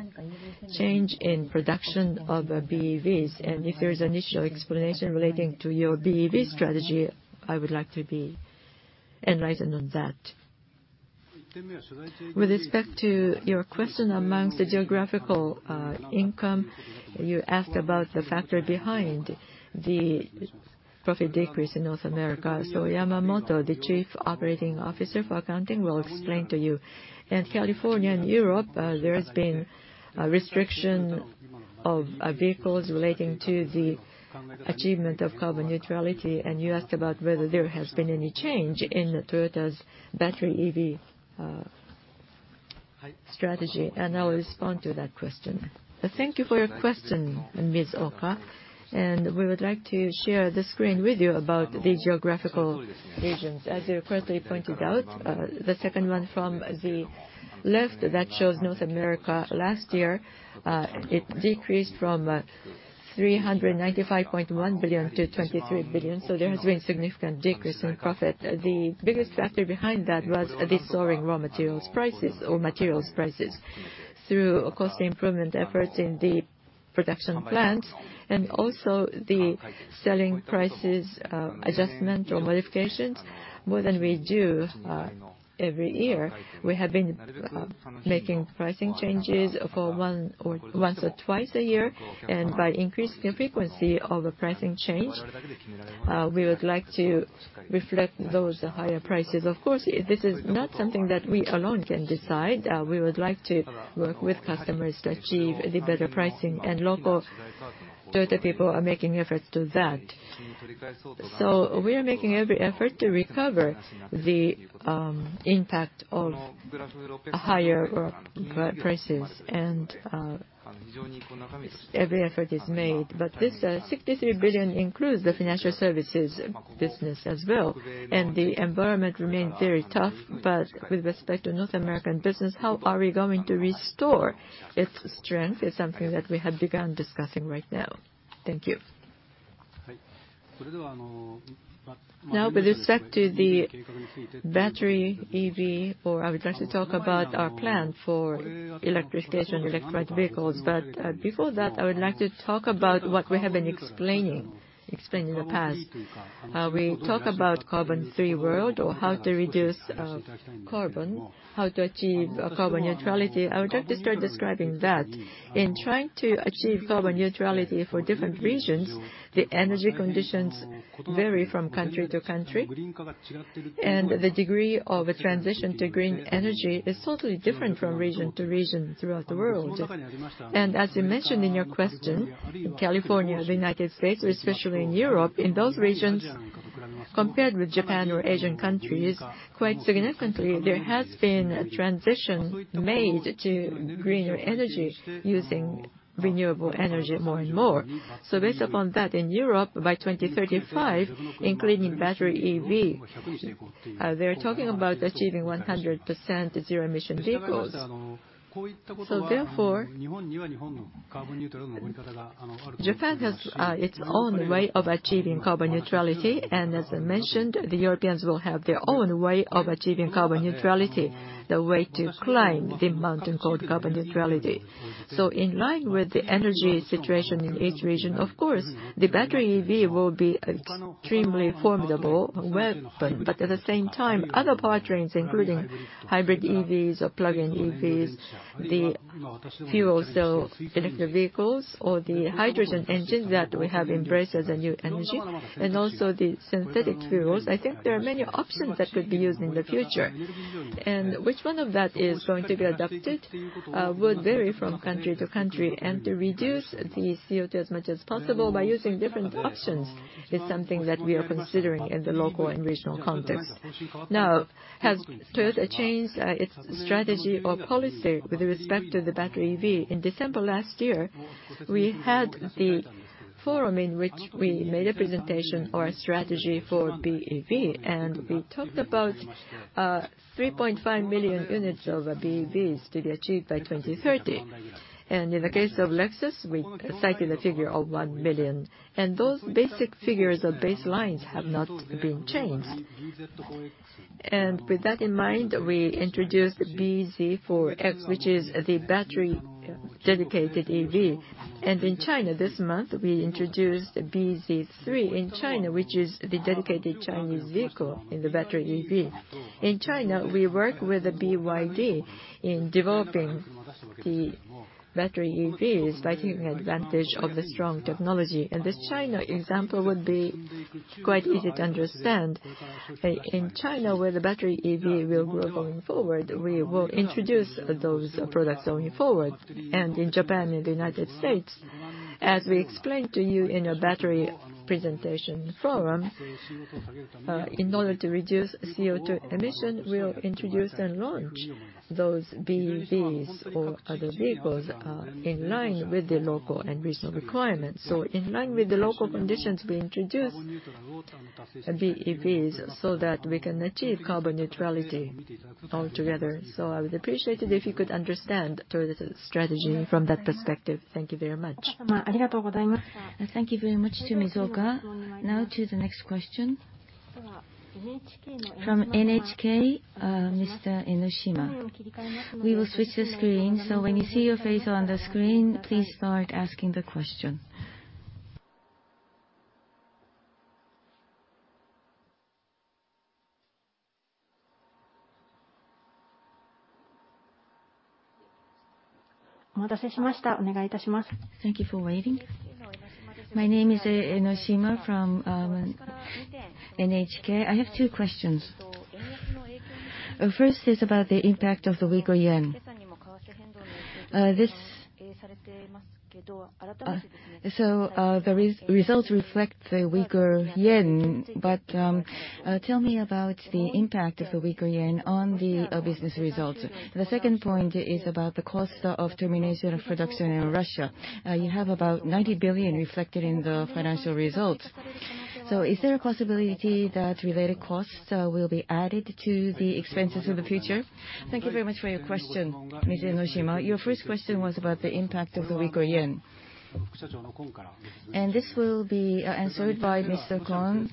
change in production of BEVs, and if there is initial explanation relating to your BEV strategy, I would like to be enlightened on that. With respect to your question among the geographical income, you asked about the factor behind the profit decrease in North America. Yamamoto, the Chief Operating Officer for Accounting, will explain to you. In California and Europe, there has been a restriction of vehicles relating to the achievement of carbon neutrality, and you asked about whether there has been any change in Toyota's battery EV strategy, and I will respond to that question. Thank you for your question, Mr. Oka, and we would like to share the screen with you about the geographical regions. As you correctly pointed out, the second one from the left that shows North America last year, it decreased from 395.1 billion to 23 billion, so there has been significant decrease in profit. The biggest factor behind that was the soaring materials prices. Through cost improvement efforts in the production plant, and also the selling prices adjustment or modifications, more than we do every year, we have been making pricing changes once or twice a year. By increasing the frequency of a pricing change, we would like to reflect those higher prices. Of course, this is not something that we alone can decide. We would like to work with customers to achieve the better pricing, and local Toyota people are making efforts to that. We are making every effort to recover the impact of higher prices. Every effort is made. This 63 billion includes the financial services business as well. The environment remains very tough, but with respect to North American business, how are we going to restore its strength is something that we have begun discussing right now. Thank you. Now, with respect to the battery EV, or I would like to talk about our plan for electrification, electrified vehicles. Before that, I would like to talk about what we have been explaining in the past. We talk about carbon-free world or how to reduce carbon, how to achieve carbon neutrality. I would like to start describing that. In trying to achieve carbon neutrality for different regions, the energy conditions vary from country to country, and the degree of a transition to green energy is totally different from region to region throughout the world. As you mentioned in your question, in California, the United States, or especially in Europe, in those regions, compared with Japan or Asian countries, quite significantly, there has been a transition made to greener energy using renewable energy more and more. Based upon that, in Europe, by 2035, including battery EV, they're talking about achieving 100% zero-emission vehicles. Therefore, Japan has its own way of achieving carbon neutrality. As I mentioned, the Europeans will have their own way of achieving carbon neutrality, the way to climb the mountain called carbon neutrality. In line with the energy situation in each region, of course, the battery EV will be extremely formidable weapon. At the same time, other powertrains, including hybrid EVs or plug-in EVs, the fuel cell electric vehicles or the hydrogen engines that we have embraced as a new energy, and also the synthetic fuels, I think there are many options that could be used in the future. Which one of that is going to be adopted would vary from country to country. To reduce the CO2 as much as possible by using different options is something that we are considering in the local and regional context. Now, has Toyota changed its strategy or policy with respect to the battery EV? In December last year, we had the forum in which we made a presentation or a strategy for BEV, and we talked about 3.5 million units of BEVs to be achieved by 2030. In the case of Lexus, we cited a figure of 1 million. Those basic figures or baselines have not been changed. With that in mind, we introduced bZ4X, which is the battery dedicated EV. In China this month, we introduced bZ3 in China, which is the dedicated Chinese vehicle in the battery EV. In China, we work with the BYD in developing the battery EVs by taking advantage of the strong technology. This China example would be quite easy to understand. In China, where the battery EV will grow going forward, we will introduce those products going forward. In Japan and the United States, as we explained to you in a battery presentation forum, in order to reduce CO2 emission, we'll introduce and launch those BEVs or other vehicles, in line with the local and regional requirements. In line with the local conditions, we introduce BEVs so that we can achieve carbon neutrality altogether. I would appreciate it if you could understand Toyota's strategy from that perspective. Thank you very much. Thank you very much to Mr. Oka. Now to the next question. From NHK, Mr. Enoshima. We will switch the screen, so when you see your face on the screen, please start asking the question. Thank you for waiting. My name is Enoshima from NHK. I have two questions. First is about the impact of the weaker yen. The results reflect the weaker yen, but tell me about the impact of the weaker yen on the business results. The second point is about the cost of termination of production in Russia. You have about $90 billion reflected in the financial results. Is there a possibility that related costs will be added to the expenses of the future? Thank you very much for your question, Mr. Enoshima. Your first question was about the impact of the weaker yen. This will be answered by Mr. Kon,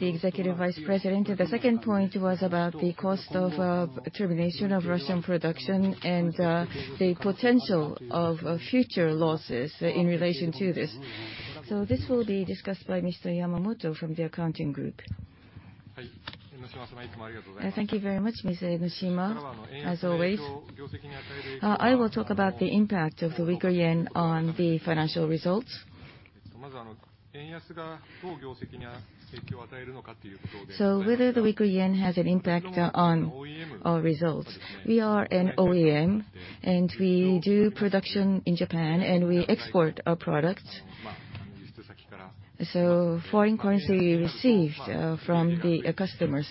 the Executive Vice President. The second point was about the cost of termination of Russian production and the potential of future losses in relation to this. This will be discussed by Mr. Yamamoto from the Accounting Group. Thank you very much, Mr. Enoshima, as always. I will talk about the impact of the weaker yen on the financial results. Whether the weaker yen has an impact on our results. We are an OEM, and we do production in Japan, and we export our products. Foreign currency received from the customers.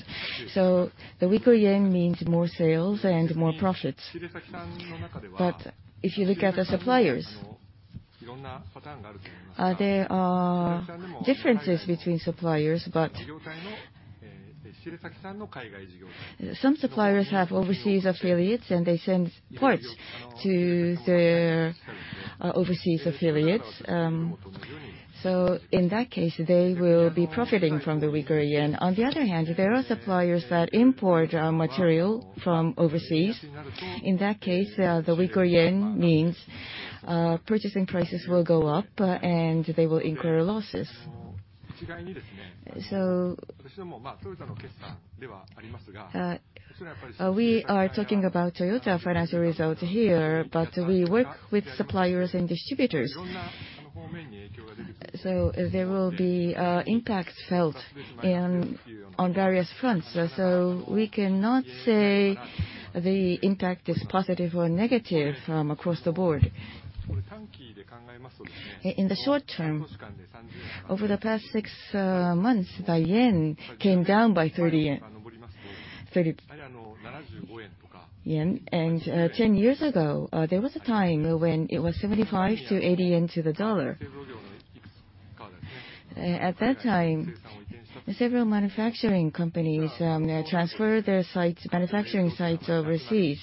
The weaker yen means more sales and more profits. But if you look at our suppliers, there are differences between suppliers, but some suppliers have overseas affiliates, and they send parts to their overseas affiliates. In that case, they will be profiting from the weaker yen. On the other hand, there are suppliers that import our material from overseas. In that case, the weaker yen means purchasing prices will go up, and they will incur losses. We are talking about Toyota financial results here, but we work with suppliers and distributors. There will be impacts felt on various fronts. We cannot say the impact is positive or negative from across the board. In the short term, over the past ix months, the yen came down by 30 yen. 10 years ago, there was a time when it was 75-80 yen to the dollar. At that time, several manufacturing companies transferred their sites, manufacturing sites overseas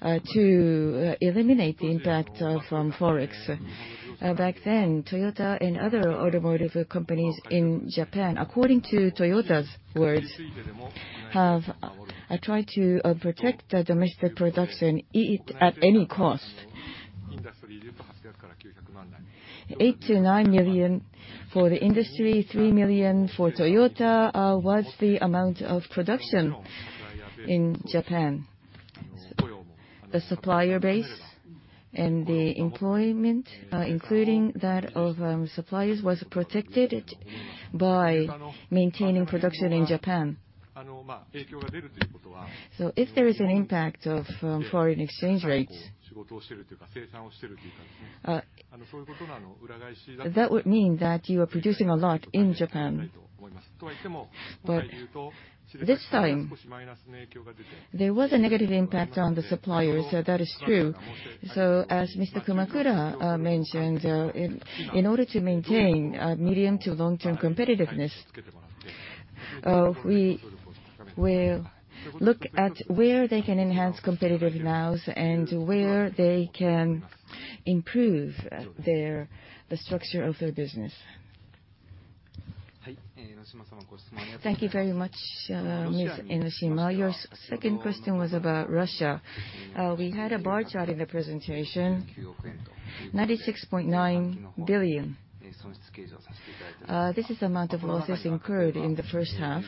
to eliminate the impact of forex. Back then, Toyota and other automotive companies in Japan, according to Toyota's words, have tried to protect the domestic production at any cost. 8-9 million for the industry, 3 million for Toyota was the amount of production in Japan. The supplier base and the employment, including that of suppliers, was protected by maintaining production in Japan. If there is an impact of foreign exchange rates, that would mean that you are producing a lot in Japan. This time, there was a negative impact on the suppliers, so that is true. As Mr. Kumakura mentioned, in order to maintain medium to long-term competitiveness, we will look at where they can enhance competitiveness and where they can improve the structure of their business. Thank you very much, Mr. Enoshima. Your second question was about Russia. We had a bar chart in the presentation, 96.9 billion. This is the amount of losses incurred in the first half.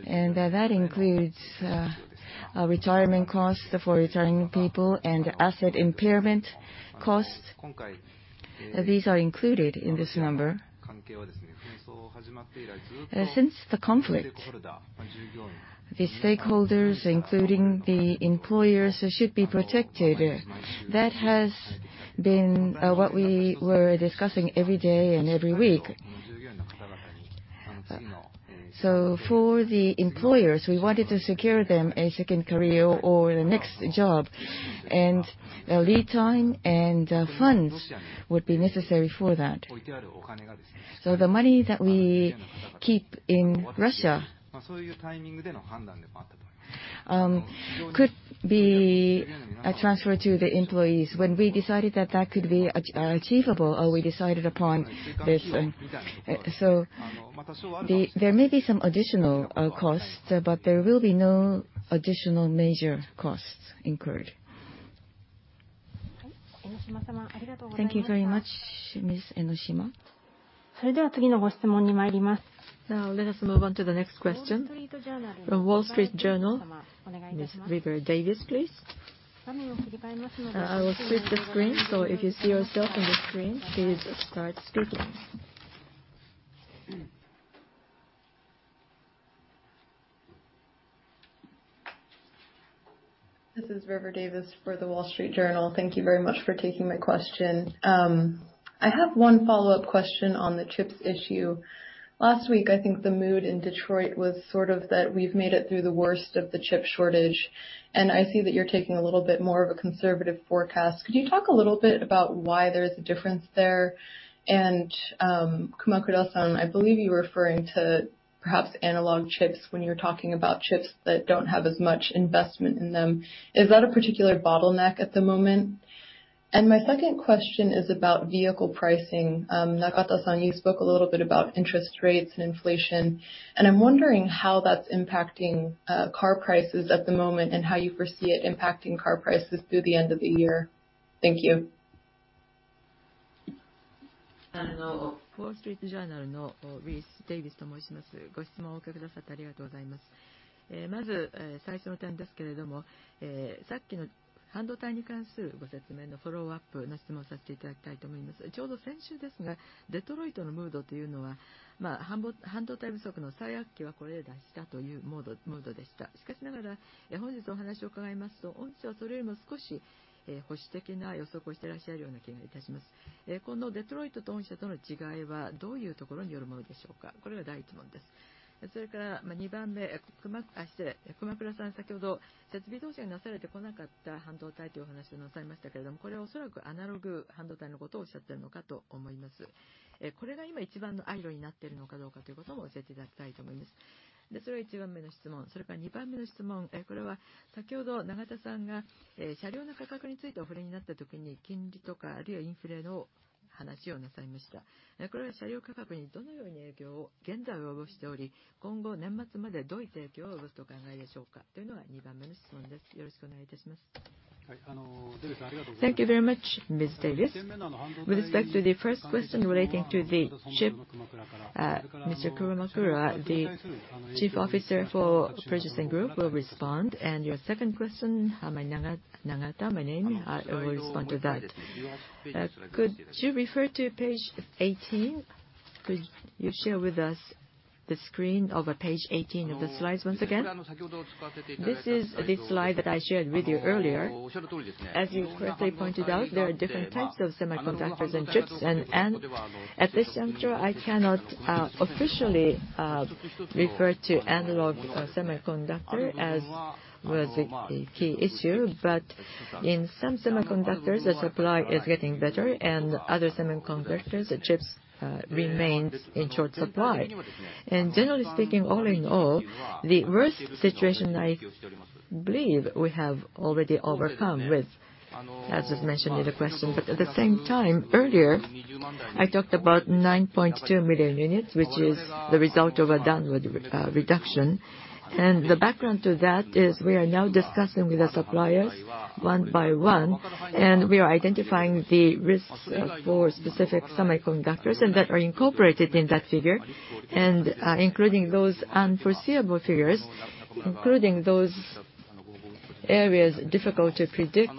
That includes retirement costs for retiring people and asset impairment costs. These are included in this number. Since the conflict, the stakeholders, including the employers, should be protected. That has been what we were discussing every day and every week. For the employers, we wanted to secure them a second career or the next job. Lead time and funds would be necessary for that. The money that we keep in Russia could be transferred to the employees. When we decided that that could be achievable, we decided upon this. There may be some additional costs, but there will be no additional major costs incurred. Thank you very much, Ms. Enoshima. Now let us move on to the next question. From The Wall Street Journal, Ms. River Davis, please. I will switch the screen, so if you see yourself on the screen, please start speaking. This is River Davis for The Wall Street Journal. Thank you very much for taking my question. I have one follow-up question on the chips issue. Last week, I think the mood in Detroit was sort of that we've made it through the worst of the chip shortage, and I see that you're taking a little bit more of a conservative forecast. Could you talk a little bit about why there's a difference there? Kumakura-san, I believe you were referring to perhaps analog chips when you were talking about chips that don't have as much investment in them. Is that a particular bottleneck at the moment? My second question is about vehicle pricing. Nagata-san, you spoke a little bit about interest rates and inflation, and I'm wondering how that's impacting car prices at the moment and how you foresee it impacting car prices through the end of the year? Thank you. The Wall Street Journal's River Davis. First, initial point, just to follow up on the earlier explanation regarding semiconductors. Just last week, the mood in Detroit was that the worst of the semiconductor shortage had probably already passed. However, listening to you today, it seems like you have a slightly more cautious forecast. Where exactly does this difference in mood between Detroit and your company come from? That is my first question. Then, second, excuse me, Kumakura-san, you mentioned earlier about semiconductor equipment that had not been invested in. This is probably referring to analog semiconductors, I believe. Is this now the biggest bottleneck or not? I would like you to tell me that as well. That was my first question. Then my second question, this is, as- Mr. Nagata mentioned earlier when talking about vehicle prices, you spoke about interest rates or inflation. How is this currently impacting vehicle prices, and how do you think it will continue to affect them through the end of the year? That is my second question. Thank you very much. Yes, Davis, thank you very much. Thank you very much, Ms. Davis. With respect to the first question relating to the chip, Mr. Kumakura, the Chief Officer for Purchasing Group, will respond. Your second question, Nagata is my name, I will respond to that. Could you refer to page 18? Could you share with us the screen of page 18 of the slides once again? This is the slide that I shared with you earlier. As you correctly pointed out, there are different types of semiconductors and chips, and at this juncture, I cannot officially refer to analog semiconductor as was the key issue. But in some semiconductors, the supply is getting better, and other semiconductors, the chips remains in short supply. Generally speaking, all in all, the worst situation I believe we have already overcome with, as is mentioned in the question. At the same time, earlier, I talked about 9.2 million units, which is the result of a downward revision. The background to that is we are now discussing with the suppliers one by one, and we are identifying the risks for specific semiconductors that are incorporated in that figure. Including those unforeseeable figures, including those areas difficult to predict,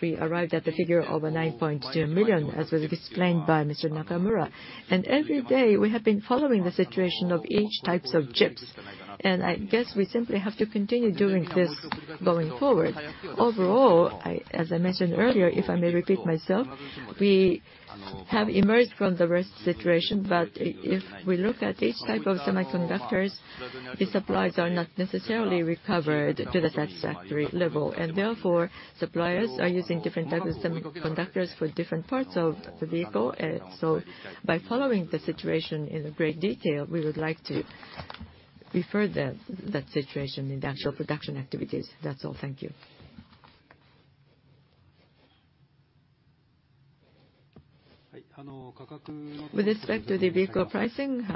we arrived at the figure of 9.2 million, as was explained by Mr. Nakamura. Every day, we have been following the situation of each types of chips. I guess we simply have to continue doing this going forward. Overall, as I mentioned earlier, if I may repeat myself, we have emerged from the worst situation. If we look at each type of semiconductors, the supplies are not necessarily recovered to the satisfactory level. Therefore, suppliers are using different types of semiconductors for different parts of the vehicle. By following the situation in great detail, we would like to refer that situation in the actual production activities. That's all. Thank you. With respect to the vehicle pricing,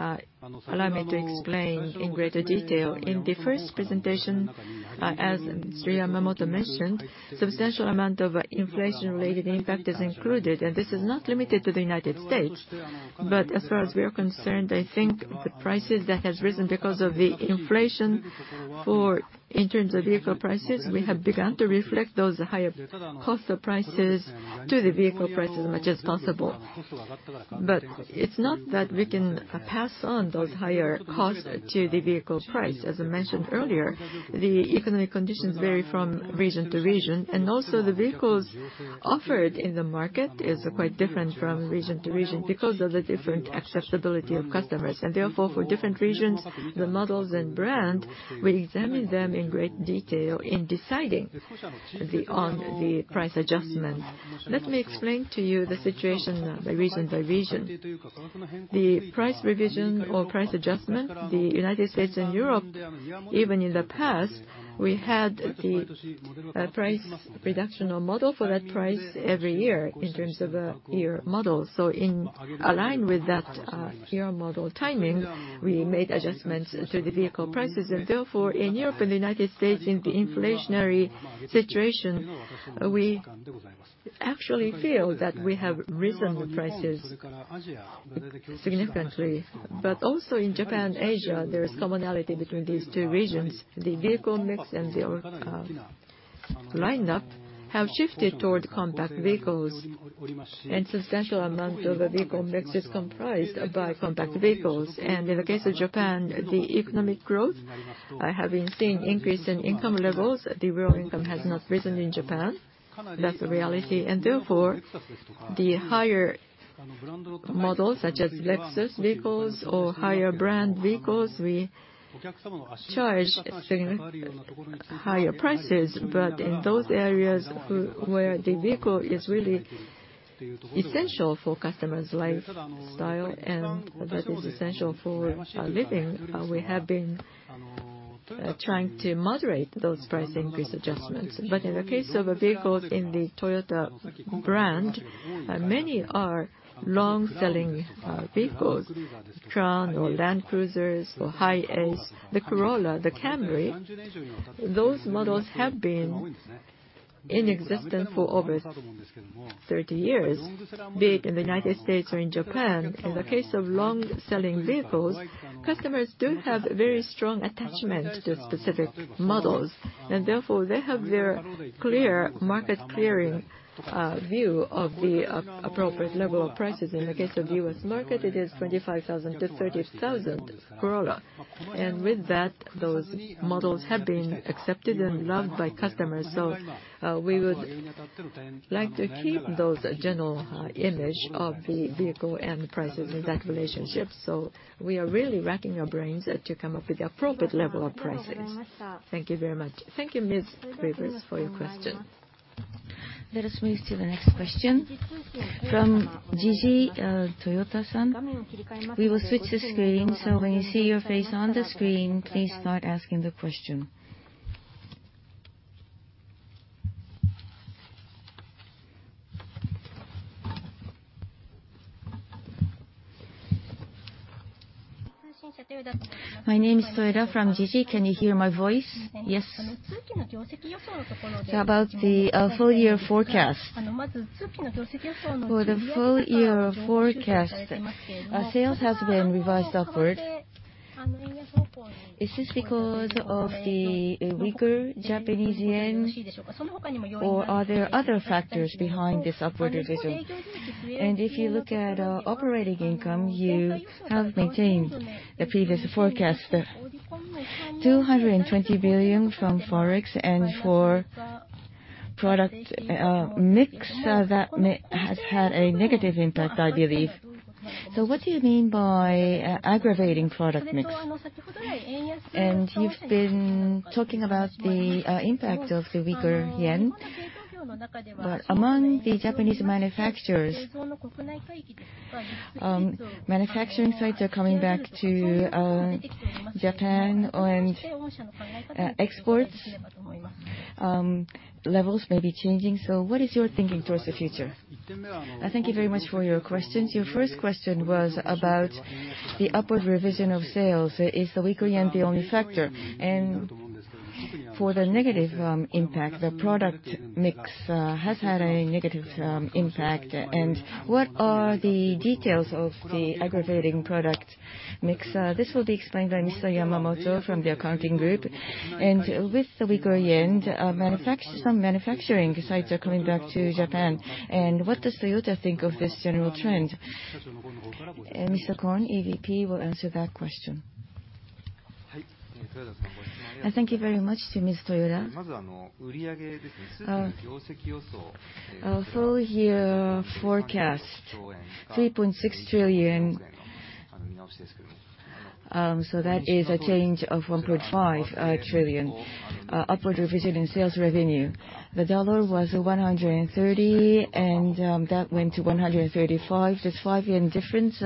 allow me to explain in greater detail. In the first presentation, as Mr. Yamamoto mentioned, substantial amount of inflation-related impact is included, and this is not limited to the United States. As far as we are concerned, I think the prices that has risen because of the inflation in terms of vehicle prices, we have begun to reflect those higher cost of prices to the vehicle price as much as possible. It's not that we can pass on those higher costs to the vehicle price. As I mentioned earlier, the economic conditions vary from region to region, and also the vehicles offered in the market is quite different from region to region because of the different acceptability of customers. Therefore, for different regions, the models and brand, we examine them in great detail in deciding on the price adjustments. Let me explain to you the situation by region by region. The price revision or price adjustment, the United States and Europe, even in the past, we had the price reduction or model for that price every year in terms of year model. In line with that year model timing, we made adjustments to the vehicle prices. Therefore, in Europe and the United States, in the inflationary situation, we actually feel that we have risen the prices significantly. Also in Japan, Asia, there is commonality between these two regions. The vehicle mix and their lineup have shifted toward compact vehicles, and substantial amount of the vehicle mix is comprised by compact vehicles. In the case of Japan, the economic growth have been seeing increase in income levels. The real income has not risen in Japan. That's a reality. Therefore, the higher models such as Lexus vehicles or higher brand vehicles, we charge higher prices. In those areas where the vehicle is really essential for customers' lifestyle and that is essential for living, we have been trying to moderate those price increase adjustments. In the case of vehicles in the Toyota brand, many are long-selling vehicles, Crown or Land Cruiser or HiAce, the Corolla, the Camry, those models have been in existence for over 30 years, be it in the United States or in Japan. In the case of long-selling vehicles, customers do have very strong attachment to specific models. Therefore, they have their clear market clearing view of the appropriate level of prices. In the case of U.S. market, it is $25,000-$30,000 Corolla. With that, those models have been accepted and loved by customers. We would like to keep those general image of the vehicle and the prices in that relationship. We are really racking our brains to come up with the appropriate level of prices. Thank you very much. Thank you, Ms. Davis, for your question. Let us move to the next question from Jiji, Toyoda-san. We will switch the screen, so when you see your face on the screen, please start asking the question. My name is Toyoda from Jiji. Can you hear my voice? Yes. About the full year forecast. For the full year forecast, sales has been revised upward. Is this because of the weaker Japanese yen or are there other factors behind this upward revision? If you look at operating income, you have maintained the previous forecast, 220 billion from forex and for product mix that has had a negative impact, I believe. What do you mean by aggravating product mix? You've been talking about the impact of the weaker yen. Among the Japanese manufacturers, manufacturing sites are coming back to Japan and exports levels may be changing. What is your thinking towards the future? I thank you very much for your questions. Your first question was about the upward revision of sales. Is the weaker yen the only factor? For the negative impact, the product mix has had a negative impact. What are the details of the aggravating product mix? This will be explained by Mr. Yamamoto from the accounting group. With the weaker yen, some manufacturing sites are coming back to Japan. What does Toyota think of this general trend? Mr. Kon, EVP, will answer that question. I thank you very much to Mr. Toyoda. Our full year forecast, 3.6 trillion. That is a change of 1.5 trillion upward revision in sales revenue. The dollar was 130, and that went to 135. This 5 difference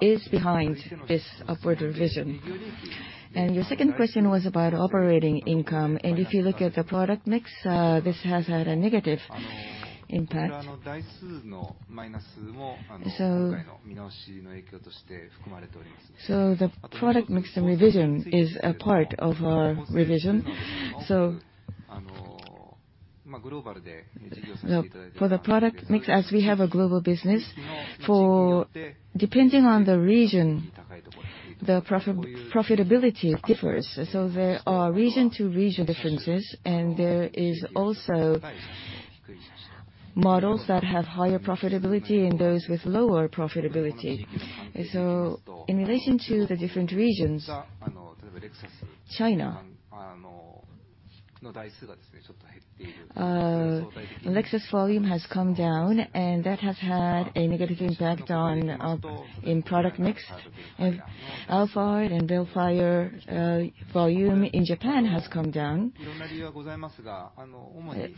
is behind this upward revision. Your second question was about operating income. If you look at the product mix, this has had a negative impact. The product mix and revision is a part of our revision. You know, for the product mix, as we have a global business, depending on the region, the profitability differs. There are region to region differences, and there is also models that have higher profitability and those with lower profitability. In relation to the different regions, China, Lexus volume has come down, and that has had a negative impact on in product mix. Alphard and Vellfire volume in Japan has come down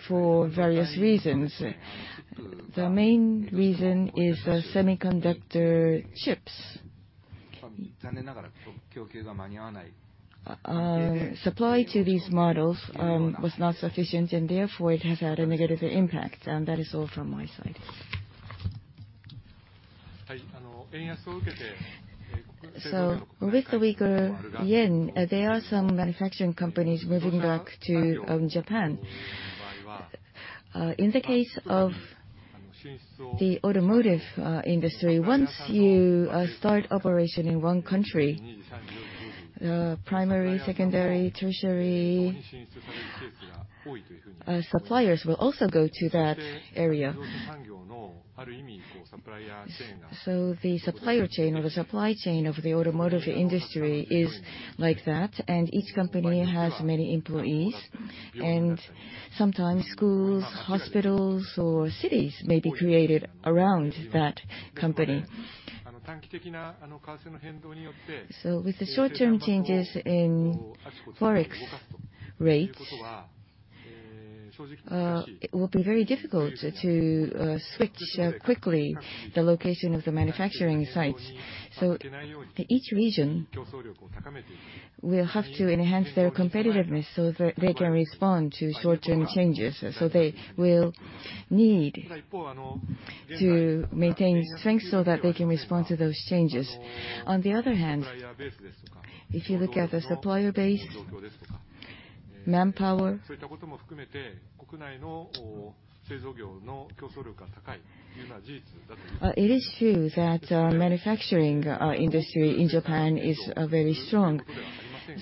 for various reasons. The main reason is the semiconductor chips. Supply to these models was not sufficient, and therefore it has had a negative impact. That is all from my side. With the weaker yen, there are some manufacturing companies moving back to Japan. In the case of the automotive industry, once you start operation in one country, primary, secondary, tertiary suppliers will also go to that area. The supplier chain or the supply chain of the automotive industry is like that, and each company has many employees. Sometimes schools, hospitals, or cities may be created around that company. With the short-term changes in forex rates, it will be very difficult to switch quickly the location of the manufacturing sites. Each region will have to enhance their competitiveness so that they can respond to short-term changes. They will need to maintain strength so that they can respond to those changes. On the other hand, if you look at the supplier base, manpower, it is true that manufacturing industry in Japan is very strong.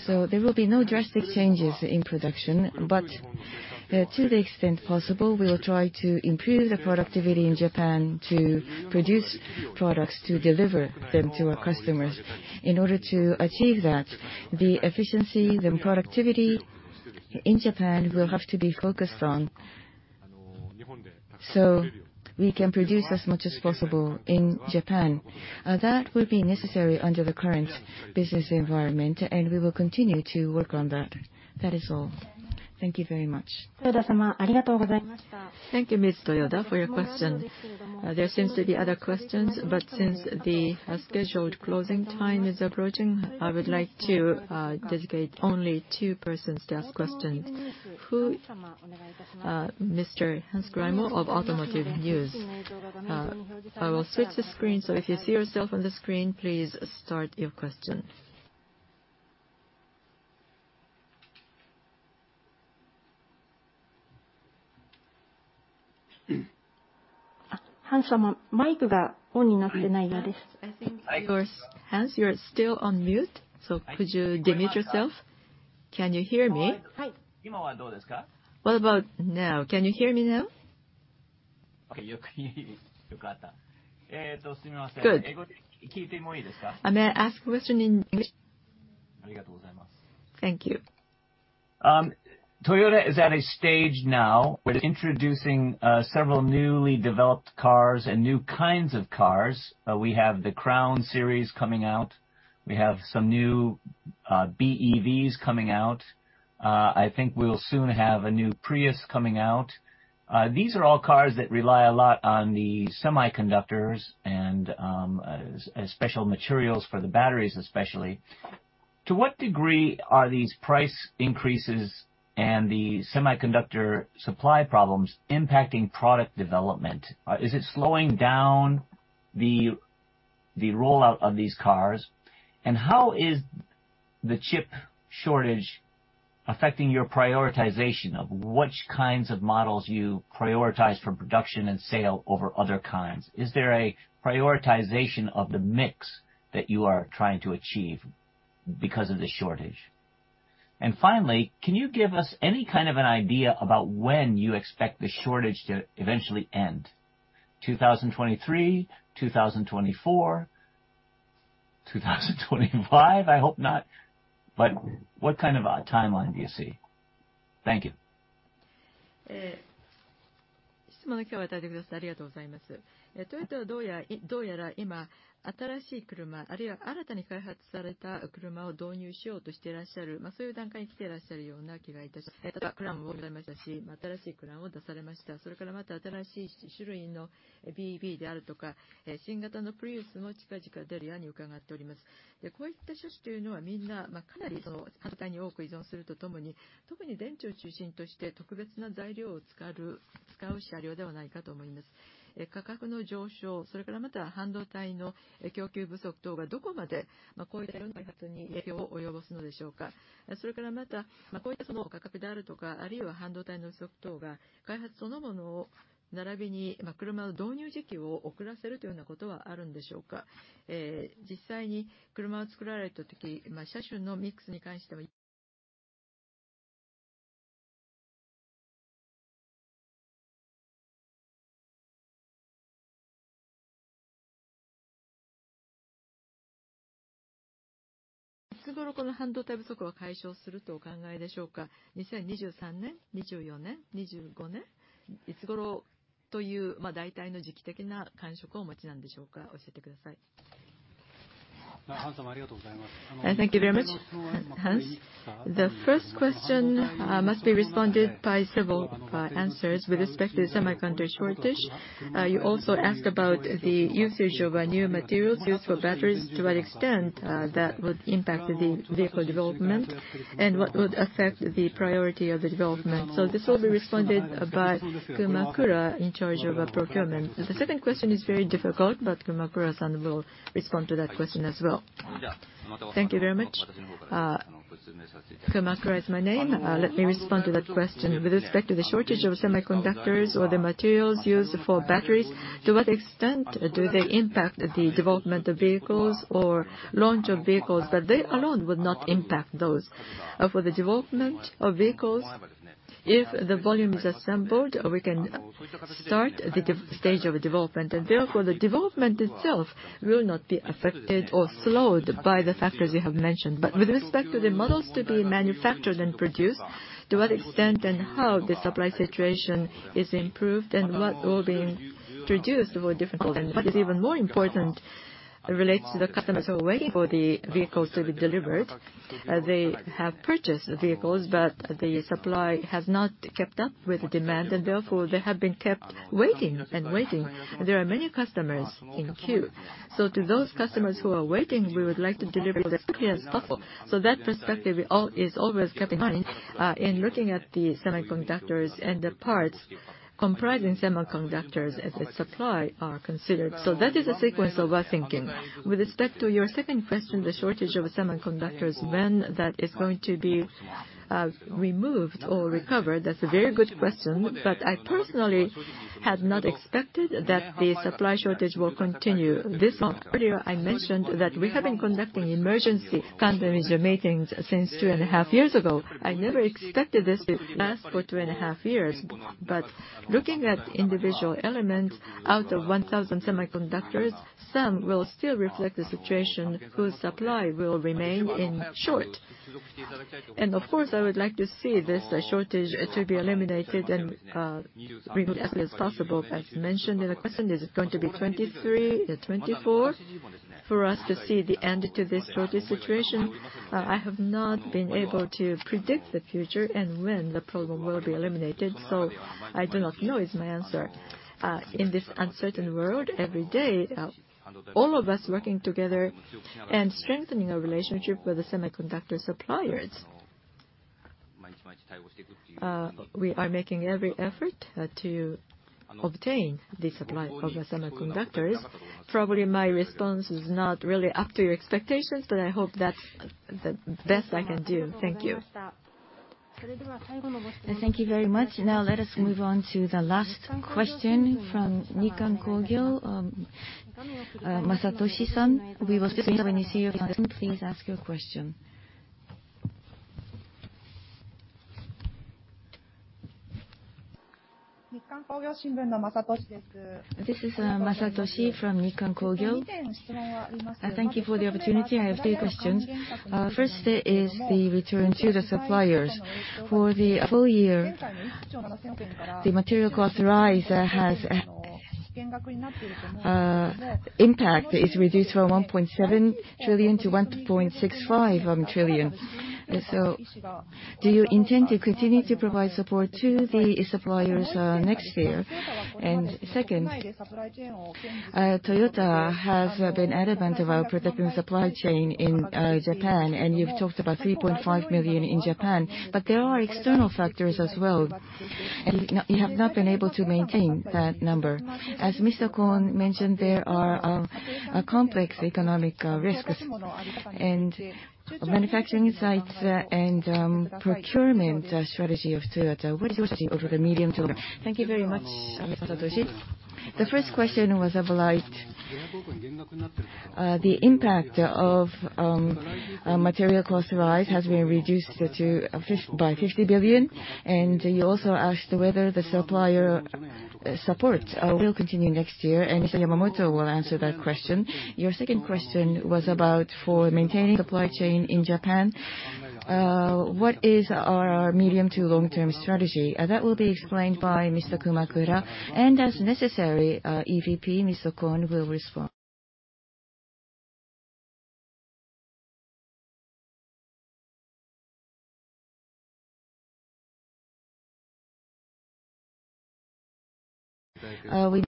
There will be no drastic changes in production. To the extent possible, we will try to improve the productivity in Japan to produce products to deliver them to our customers. In order to achieve that, the efficiency, the productivity in Japan will have to be focused on, so we can produce as much as possible in Japan. That will be necessary under the current business environment, and we will continue to work on that. That is all. Thank you very much. Thank you, Mr. Toyoda, for your question. There seems to be other questions, but since the scheduled closing time is approaching, I would like to dedicate only two persons to ask questions. Who, Mr. Hans Greimel of Automotive News. I will switch the screen, so if you see yourself on the screen, please start your question. Hans, I think you're—Hans, you're still on mute, so could you unmute yourself? Can you hear me? What about now? Can you hear me now? Okay. Good. May I ask a question in English? Thank you. Toyota is at a stage now with introducing several newly developed cars and new kinds of cars. We have the Crown series coming out. We have some new BEVs coming out. I think we'll soon have a new Prius coming out. These are all cars that rely a lot on the semiconductors and special materials for the batteries especially. To what degree are these price increases and the semiconductor supply problems impacting product development? Is it slowing down the rollout of these cars? How is the chip shortage affecting your prioritization of which kinds of models you prioritize for production and sale over other kinds? Is there a prioritization of the mix that you are trying to achieve because of the shortage? Finally, can you give us any kind of an idea about when you expect the shortage to eventually end? 2023? 2024? 2025? I hope not, but what kind of a timeline do you see? Thank you. Thank you very much, Hans. The first question must be responded by several answers with respect to the semiconductor shortage. You also asked about the usage of new materials used for batteries, to what extent that would impact the vehicle development and what would affect the priority of the development. This will be responded by Kumakura in charge of procurement. The second question is very difficult, but Kumakura-san will respond to that question as well. Thank you very much. Kumakura is my name. Let me respond to that question. With respect to the shortage of semiconductors or the materials used for batteries, to what extent do they impact the development of vehicles or launch of vehicles? They alone would not impact those. For the development of vehicles, if the volume is assembled, we can start the stage of development. Therefore, the development itself will not be affected or slowed by the factors you have mentioned. With respect to the models to be manufactured and produced, to what extent and how the supply situation is improved and what will be introduced were difficult. What is even more important relates to the customers who are waiting for the vehicles to be delivered. They have purchased the vehicles, but the supply has not kept up with demand, and therefore, they have been kept waiting and waiting. There are many customers in queue. To those customers who are waiting, we would like to deliver as quickly as possible. That perspective is always kept in mind, in looking at the semiconductors and the parts comprising semiconductors as the supply are considered. That is the sequence of our thinking. With respect to your second question, the shortage of semiconductors, when that is going to be. Removed or recovered, that's a very good question, but I personally had not expected that the supply shortage will continue this long. Earlier, I mentioned that we have been conducting emergency kanban meetings since 2.5 years ago. I never expected this to last for 2.5 years. Looking at individual elements, out of 1,000 semiconductors, some will still reflect the situation whose supply will remain short. Of course, I would like to see this shortage to be eliminated and removed as soon as possible. As mentioned in the question, is it going to be 2023 or 2024 for us to see the end to this shortage situation? I have not been able to predict the future and when the problem will be eliminated, so I do not know is my answer. In this uncertain world, every day, all of us working together and strengthening our relationship with the semiconductor suppliers. We are making every effort to obtain the supply of the semiconductors. Probably my response is not really up to your expectations, but I hope that's the best I can do. Thank you. Thank you very much. Now let us move on to the last question from Nikkan Kogyo. Masatoshi-san, when you see your question, please ask your question. This is Masatoshi from Nikkan Kogyo Shimbun. Thank you for the opportunity. I have three questions. First is the return to the suppliers. For the full year, the material cost rise has impact is reduced from 1.7 trillion to 1.65 trillion. Do you intend to continue to provide support to the suppliers next year? Second, Toyota has been adamant about protecting supply chain in Japan, and you've talked about 3.5 million in Japan, but there are external factors as well, and you have not been able to maintain that number. As Mr. Kon mentioned, there are complex economic risks and manufacturing sites and procurement strategy of Toyota. What is your strategy over the medium term? Thank you very much, Masatoshi. The first question was about the impact of material cost rise has been reduced by 50 billion, and you also asked whether the supplier support will continue next year, and Mr. Yamamoto will answer that question. Your second question was about maintaining supply chain in Japan. What is our medium to long-term strategy? That will be explained by Mr. Kumakura, and as necessary, our EVP, Mr. Kon, will respond. Thank you.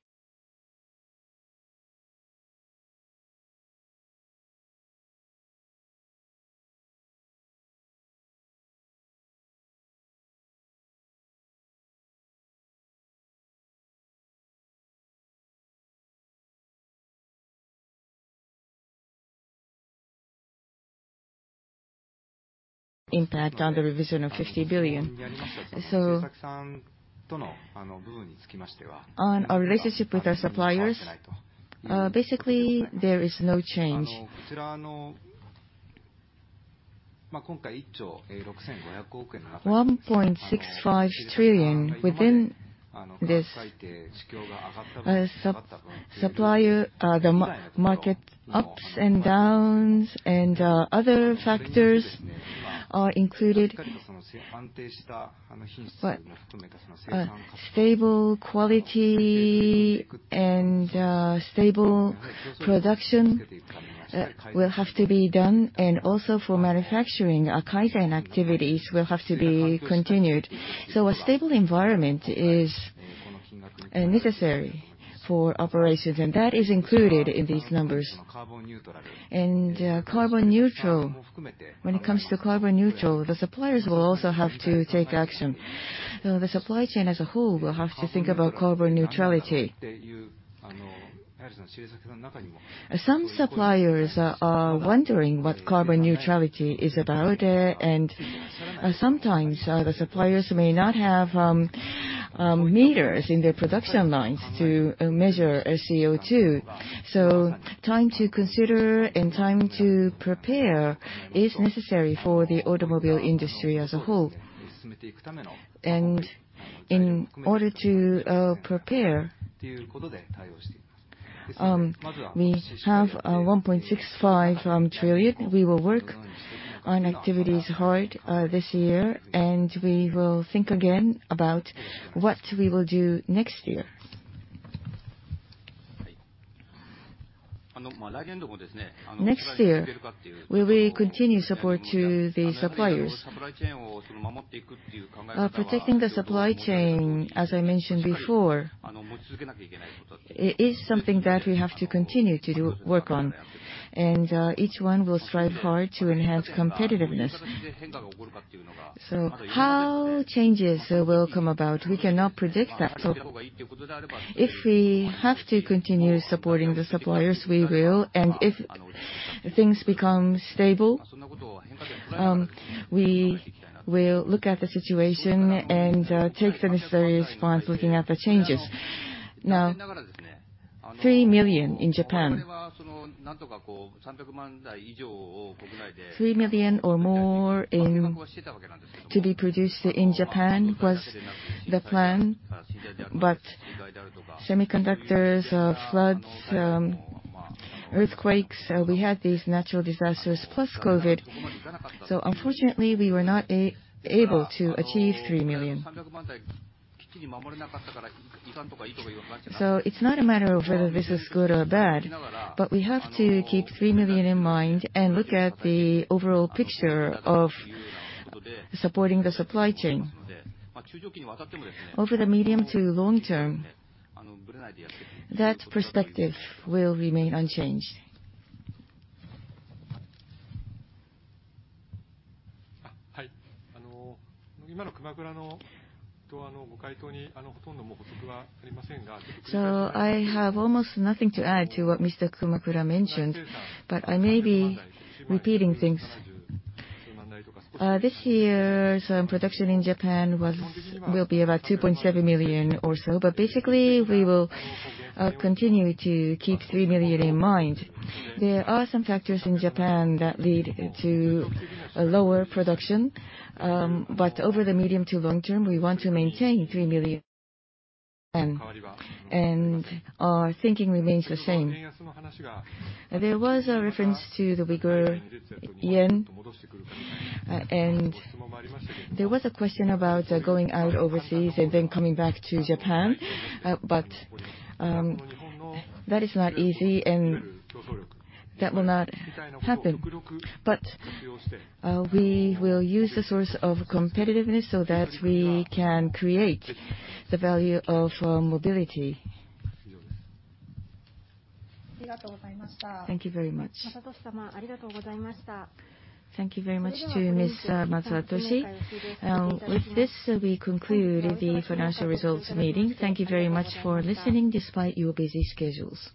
Impact on the revision of 50 billion. On our relationship with our suppliers, basically there is no change. 1.65 trillion within this, supplier, the market ups and downs and other factors are included. Stable quality and stable production will have to be done, and also for manufacturing, our Kaizen activities will have to be continued. A stable environment is necessary for operations, and that is included in these numbers. Carbon neutral, when it comes to carbon neutral, the suppliers will also have to take action. The supply chain as a whole will have to think about carbon neutrality. Some suppliers are wondering what carbon neutrality is about, and sometimes the suppliers may not have meters in their production lines to measure CO2. Time to consider and time to prepare is necessary for the automobile industry as a whole. In order to prepare, we have 1.65 trillion. We will work on activities hard this year, and we will think again about what we will do next year. Next year, will we continue support to the suppliers? Protecting the supply chain, as I mentioned before, it is something that we have to continue to do work on. Each one will strive hard to enhance competitiveness. How changes will come about, we cannot predict that. If we have to continue supporting the suppliers, we will. If things become stable, we will look at the situation and take the necessary response looking at the changes. Now 3 million in Japan. 3 million or more in to be produced in Japan was the plan, but semiconductors, floods, earthquakes, we had these natural disasters plus COVID. Unfortunately, we were not able to achieve 3 million. It's not a matter of whether this is good or bad, but we have to keep 3 million in mind and look at the overall picture of supporting the supply chain. Over the medium to long term, that perspective will remain unchanged. I have almost nothing to add to what Mr. Kumakura mentioned, but I may be repeating things. This year's production in Japan will be about 2.7 million or so. Basically, we will continue to keep 3 million in mind. There are some factors in Japan that lead to a lower production. Over the medium to long term, we want to maintain 3 million, and our thinking remains the same. There was a reference to the weaker yen, and there was a question about going out overseas and then coming back to Japan. That is not easy and that will not happen. We will use the source of competitiveness so that we can create the value of mobility. Thank you very much. Thank you very much to Mr. Masatoshi. With this, we conclude the financial results meeting. Thank you very much for listening despite your busy schedules.